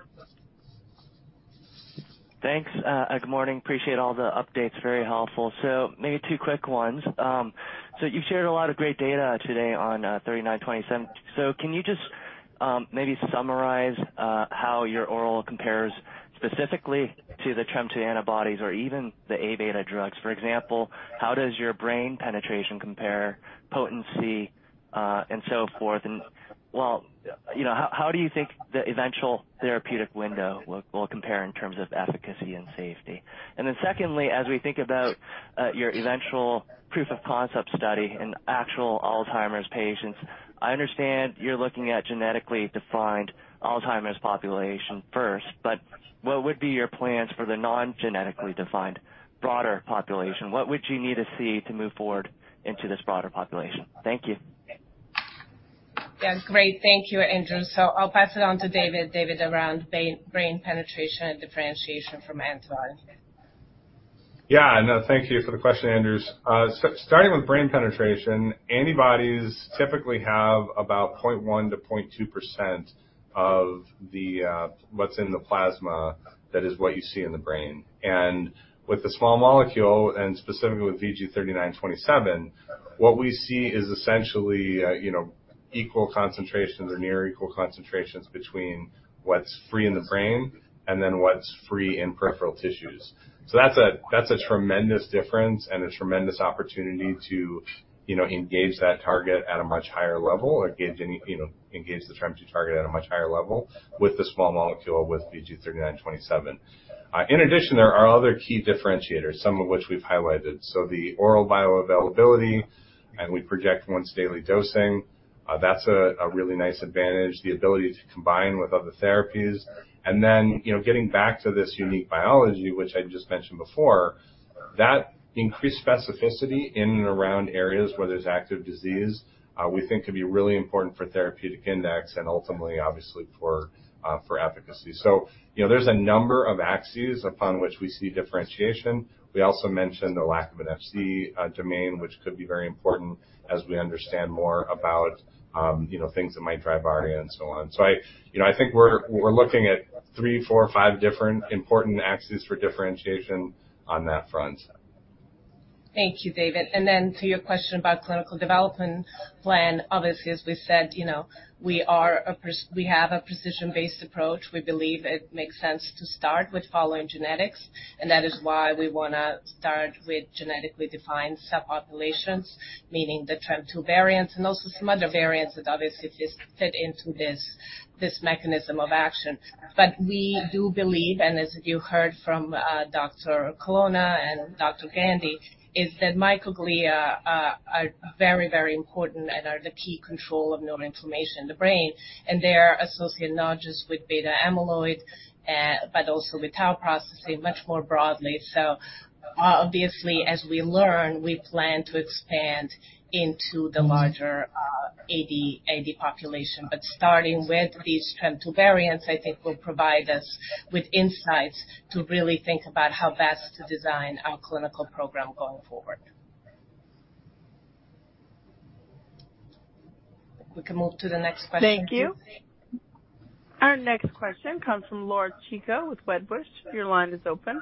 Thanks, good morning. Appreciate all the updates, very helpful. So maybe two quick ones. So you've shared a lot of great data today on VG-3927. So can you just maybe summarize how your oral compares specifically to the TREM2 antibodies or even the Aβ drugs? For example, how does your brain penetration compare, potency, and so forth? And well, you know, how do you think the eventual therapeutic window will compare in terms of efficacy and safety? And then secondly, as we think about your eventual proof of concept study in actual Alzheimer's patients, I understand you're looking at genetically defined Alzheimer's population first, but what would be your plans for the non-genetically defined broader population? What would you need to see to move forward into this broader population? Thank you. Yeah, great. Thank you, Andrew. So I'll pass it on to David. David, around brain, brain penetration and differentiation from antibody. Yeah. No, thank you for the question, Andrew. Starting with brain penetration, antibodies typically have about 0.1%-0.2% of what's in the plasma, that is what you see in the brain. And with the small molecule, and specifically with VG-3927, what we see is essentially, you know, equal concentrations or near equal concentrations between what's free in the brain and then what's free in peripheral tissues. So that's a, that's a tremendous difference and a tremendous opportunity to, you know, engage that target at a much higher level, or engage, you know, engage the TREM2 target at a much higher level with the small molecule, with VG-3927. In addition, there are other key differentiators, some of which we've highlighted. So the oral bioavailability, and we project once daily dosing, that's a really nice advantage, the ability to combine with other therapies. And then, you know, getting back to this unique biology, which I just mentioned before, that increased specificity in and around areas where there's active disease, we think could be really important for therapeutic index and ultimately, obviously, for efficacy. So, you know, there's a number of axes upon which we see differentiation. We also mentioned a lack of an Fc domain, which could be very important as we understand more about, you know, things that might drive ARIA and so on. So I, you know, I think we're looking at three, four, five different important axes for differentiation on that front. Thank you, David. Then to your question about clinical development plan. Obviously, as we said, you know, we have a precision-based approach. We believe it makes sense to start with following genetics, and that is why we wanna start with genetically defined subpopulations, meaning the TREM2 variants and also some other variants that obviously fit into this mechanism of action. But we do believe, and as you heard from Dr. Colonna and Dr. Gandy, is that microglia are very, very important and are the key control of neuroinflammation in the brain, and they are associated not just with beta amyloid, but also with tau processing much more broadly. So obviously, as we learn, we plan to expand into the larger AD population. But starting with these TREM2 variants, I think will provide us with insights to really think about how best to design our clinical program going forward. We can move to the next question. Thank you. Our next question comes from Laura Chico with Wedbush. Your line is open.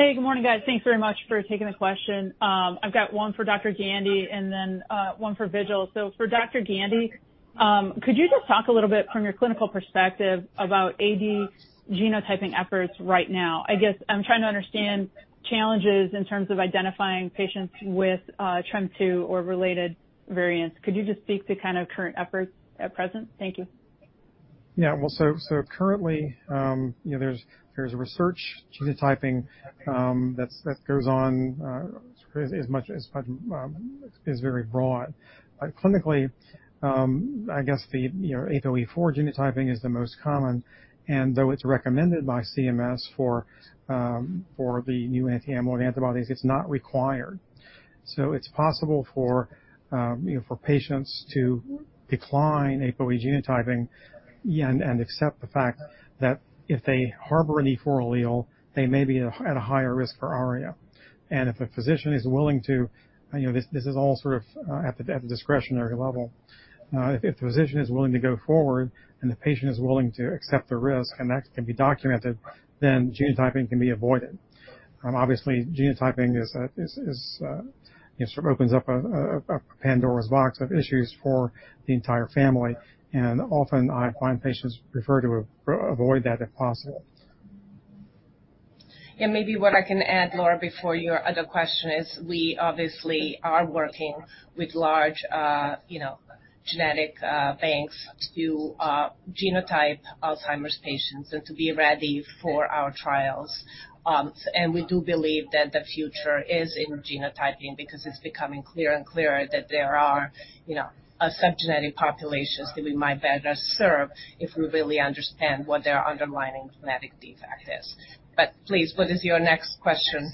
Hey, good morning, guys. Thanks very much for taking the question. I've got one for Dr. Gandy and then one for Vigil. So for Dr. Gandy, could you just talk a little bit from your clinical perspective about AD genotyping efforts right now? I guess I'm trying to understand challenges in terms of identifying patients with TREM2 or related variants. Could you just speak to kind of current efforts at present? Thank you. Yeah. Well, so currently, you know, there's a research genotyping that's that goes on as much as is very broad. But clinically, I guess the, you know, APOE4 genotyping is the most common, and though it's recommended by CMS for the new anti-amyloid antibodies, it's not required. So it's possible for, you know, for patients to decline APOE genotyping and accept the fact that if they harbor an E4 allele, they may be at a higher risk for ARIA. And if a physician is willing to, you know, this is all sort of at the discretionary level. If the physician is willing to go forward and the patient is willing to accept the risk and that can be documented, then genotyping can be avoided. Obviously, genotyping is, it sort of opens up a Pandora's box of issues for the entire family, and often I find patients prefer to avoid that if possible. And maybe what I can add, Laura, before your other question is, we obviously are working with large, you know, genetic banks to genotype Alzheimer's patients and to be ready for our trials. And we do believe that the future is in genotyping because it's becoming clearer and clearer that there are, you know, subgenetic populations that we might better serve if we really understand what their underlying genetic defect is. But please, what is your next question?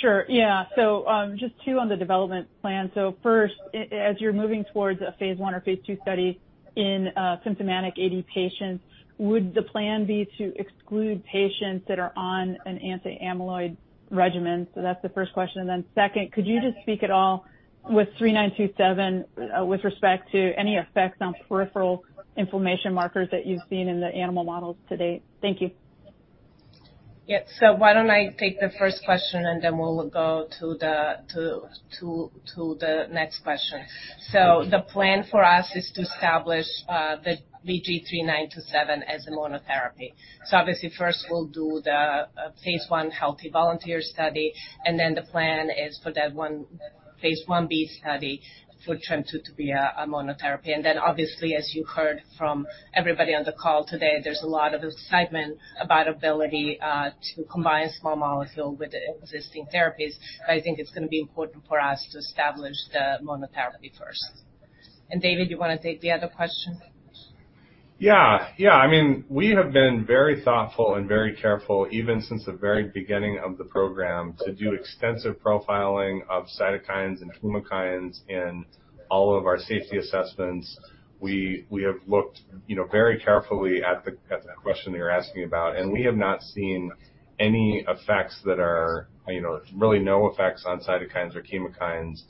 Sure, yeah. So, just two on the development plan. So first, as you're moving towards a phase I or phase II study in, symptomatic AD patients, would the plan be to exclude patients that are on an anti-amyloid regimen? So that's the first question. And then second, could you just speak at all with VG-3927, with respect to any effects on peripheral inflammation markers that you've seen in the animal models to date? Thank you. Yeah. So why don't I take the first question, and then we'll go to the next question. So the plan for us is to establish the VG-3927 as a monotherapy. So obviously, first we'll do the phase I healthy volunteer study, and then the plan is for that one phase IB study for TREM2 to be a monotherapy. And then obviously, as you heard from everybody on the call today, there's a lot of excitement about ability to combine small molecule with the existing therapies. But I think it's gonna be important for us to establish the monotherapy first. And David, you want to take the other question? Yeah, yeah. I mean, we have been very thoughtful and very careful, even since the very beginning of the program, to do extensive profiling of cytokines and chemokines in all of our safety assessments. We have looked, you know, very carefully at the question that you're asking about, and we have not seen any effects that are, you know, really no effects on cytokines or chemokines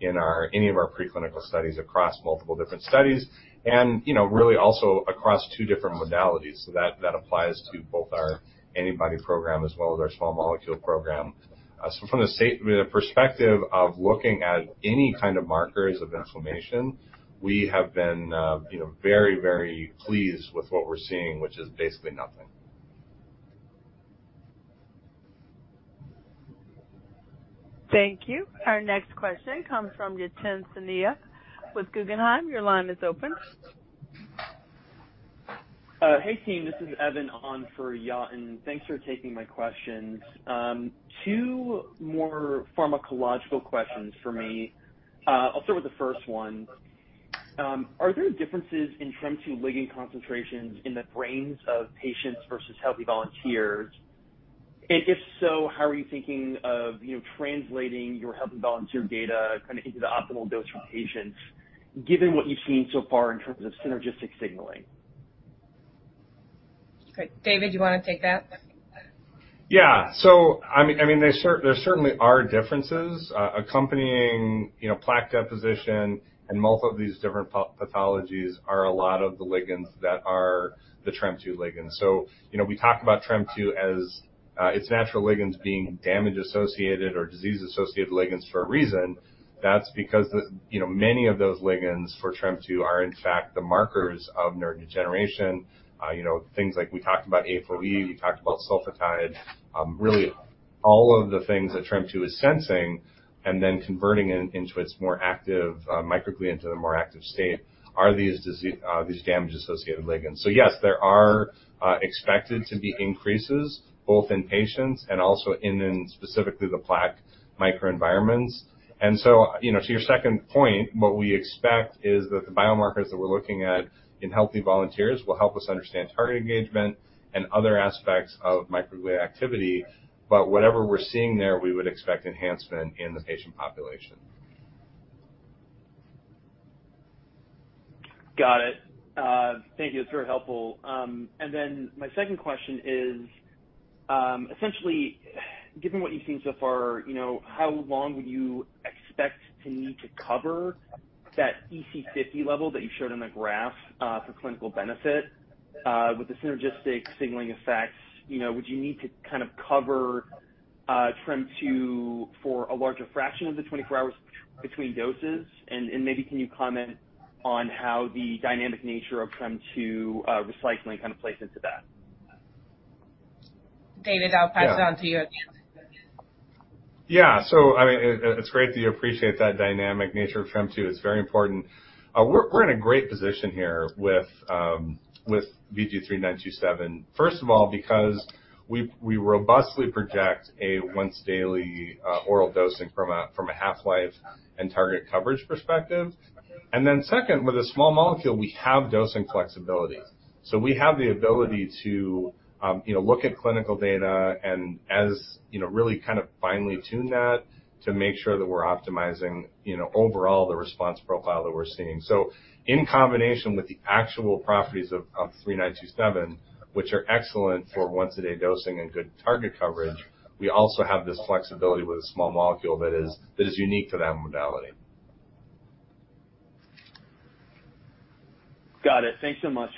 in any of our preclinical studies across multiple different studies, and, you know, really also across two different modalities. So that applies to both our antibody program as well as our small molecule program. So from the perspective of looking at any kind of markers of inflammation, we have been, you know, very, very pleased with what we're seeing, which is basically nothing. Thank you. Our next question comes from Yatin Suneja with Guggenheim. Your line is open. Hey, team, this is Divan on for Yatin. Thanks for taking my questions. Two more pharmacological questions for me. I'll start with the first one. Are there differences in TREM2 ligand concentrations in the brains of patients versus healthy volunteers? And if so, how are you thinking of, you know, translating your healthy volunteer data kind of into the optimal dose for patients, given what you've seen so far in terms of synergistic signaling? Great. David, you want to take that? Yeah. So I mean, there certainly are differences accompanying, you know, plaque deposition and multiple of these different pathologies are a lot of the ligands that are the TREM2 ligands. So, you know, we talk about TREM2 as its natural ligands being damage-associated or disease-associated ligands for a reason. That's because the, you know, many of those ligands for TREM2 are, in fact, the markers of neurodegeneration. You know, things like we talked about ApoE, we talked about sulfatide. Really, all of the things that TREM2 is sensing and then converting into its more active microglial state are these damage-associated ligands. So yes, there are expected to be increases both in patients and also in specifically the plaque microenvironments. And so, you know, to your second point, what we expect is that the biomarkers that we're looking at in healthy volunteers will help us understand target engagement and other aspects of microglia activity. But whatever we're seeing there, we would expect enhancement in the patient population. Got it. Thank you. It's very helpful. And then my second question is, essentially, given what you've seen so far, you know, how long would you expect to need to cover that EC50 level that you showed on the graph, for clinical benefit, with the synergistic signaling effects? You know, would you need to kind of cover, TREM2 for a larger fraction of the 24 hours between doses? And maybe can you comment on how the dynamic nature of TREM2, recycling kind of plays into that? David, I'll pass it on to you again. Yeah. So I mean, it's great that you appreciate that dynamic nature of TREM2. It's very important. We're in a great position here with VG-3927. First of all, because we robustly project a once daily oral dosing from a half-life and target coverage perspective. And then second, with a small molecule, we have dosing flexibility. So we have the ability to you know, look at clinical data and, you know, really kind of finely tune that to make sure that we're optimizing you know, overall the response profile that we're seeing. So in combination with the actual properties of VG-3927, which are excellent for once-a-day dosing and good target coverage, we also have this flexibility with a small molecule that is unique to that modality. Got it. Thanks so much.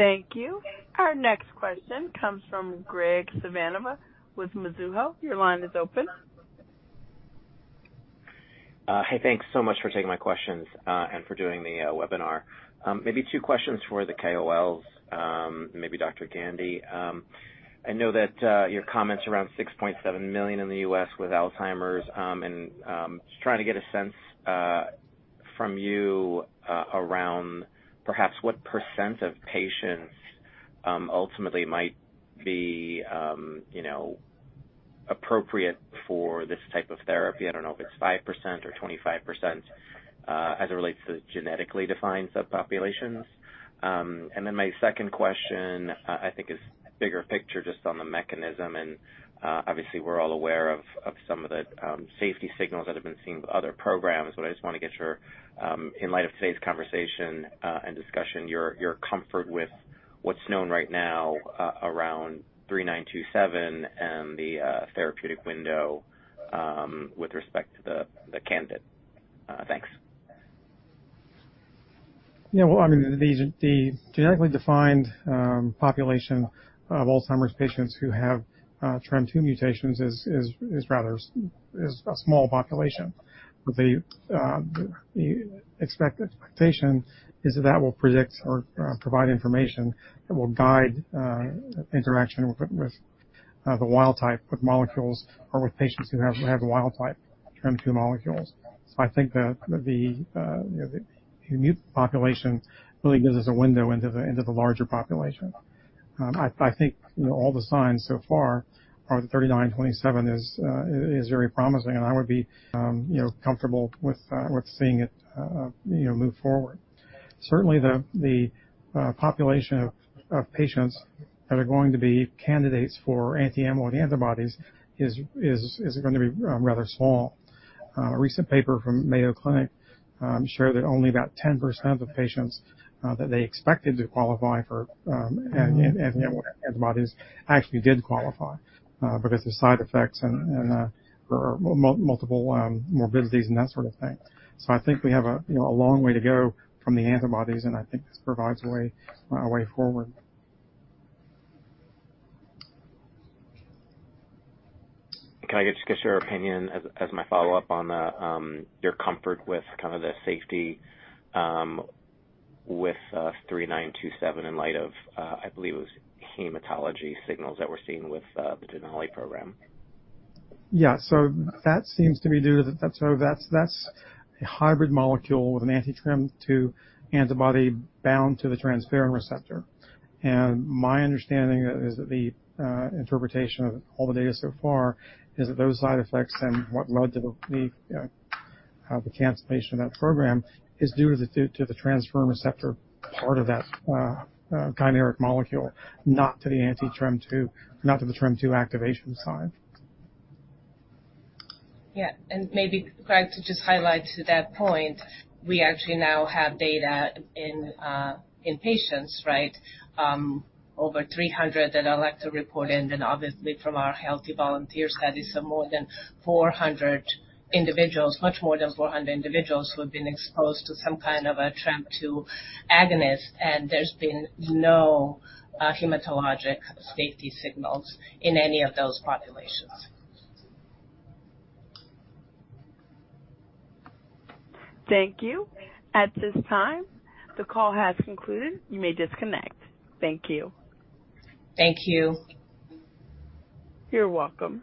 Thank you. Our next question comes from Graig Suvannavejh with Mizuho. Your line is open. Hey, thanks so much for taking my questions, and for doing the webinar. Maybe two questions for the KOLs, maybe Dr. Gandy. I know that your comments around 6.7 million in the U.S. with Alzheimer's, and just trying to get a sense from you around perhaps what percent of patients ultimately might be, you know, appropriate for this type of therapy. I don't know if it's 5% or 25%, as it relates to the genetically defined subpopulations. And then my second question, I think is bigger picture just on the mechanism, and obviously, we're all aware of some of the safety signals that have been seen with other programs. But I just want to get your comfort with what's known right now around VG-3927 and the therapeutic window with respect to the candidate. Thanks. Yeah, well, I mean, the genetically defined population of Alzheimer's patients who have TREM2 mutations is rather a small population. But the expectation is that that will predict or provide information that will guide interaction with the wild-type, with molecules or with patients who have the wild-type TREM2 molecules. So I think that, you know, the mutant population really gives us a window into the larger population. I think, you know, all the signs so far are the VG-3927 is very promising, and I would be, you know, comfortable with seeing it, you know, move forward. Certainly, the population of patients that are going to be candidates for anti-amyloid antibodies is going to be rather small. A recent paper from Mayo Clinic showed that only about 10% of patients that they expected to qualify for antibodies actually did qualify because the side effects and there are multiple morbidities and that sort of thing. So I think we have a, you know, a long way to go from the antibodies, and I think this provides a way forward. Can I just get your opinion as my follow-up on your comfort with kind of the safety with VG-3927, in light of I believe it was hematology signals that we're seeing with the Denali program? Yeah. So that seems to be due to the-- That's, so that's a hybrid molecule with an anti-TREM2 antibody bound to the transferrin receptor. And my understanding is that the interpretation of all the data so far is that those side effects and what led to the cancellation of that program is due to the transferrin receptor part of that chimeric molecule, not to the anti-TREM2, not to the TREM2 activation side. Yeah, and maybe, Graig, to just highlight to that point, we actually now have data in patients, right? Over 300 that are ePRO reported, and then obviously from our healthy volunteer studies of more than 400 individuals, much more than 400 individuals who have been exposed to some kind of a TREM2 agonist, and there's been no hematologic safety signals in any of those populations. Thank you. At this time, the call has concluded. You may disconnect. Thank you. Thank you. You're welcome.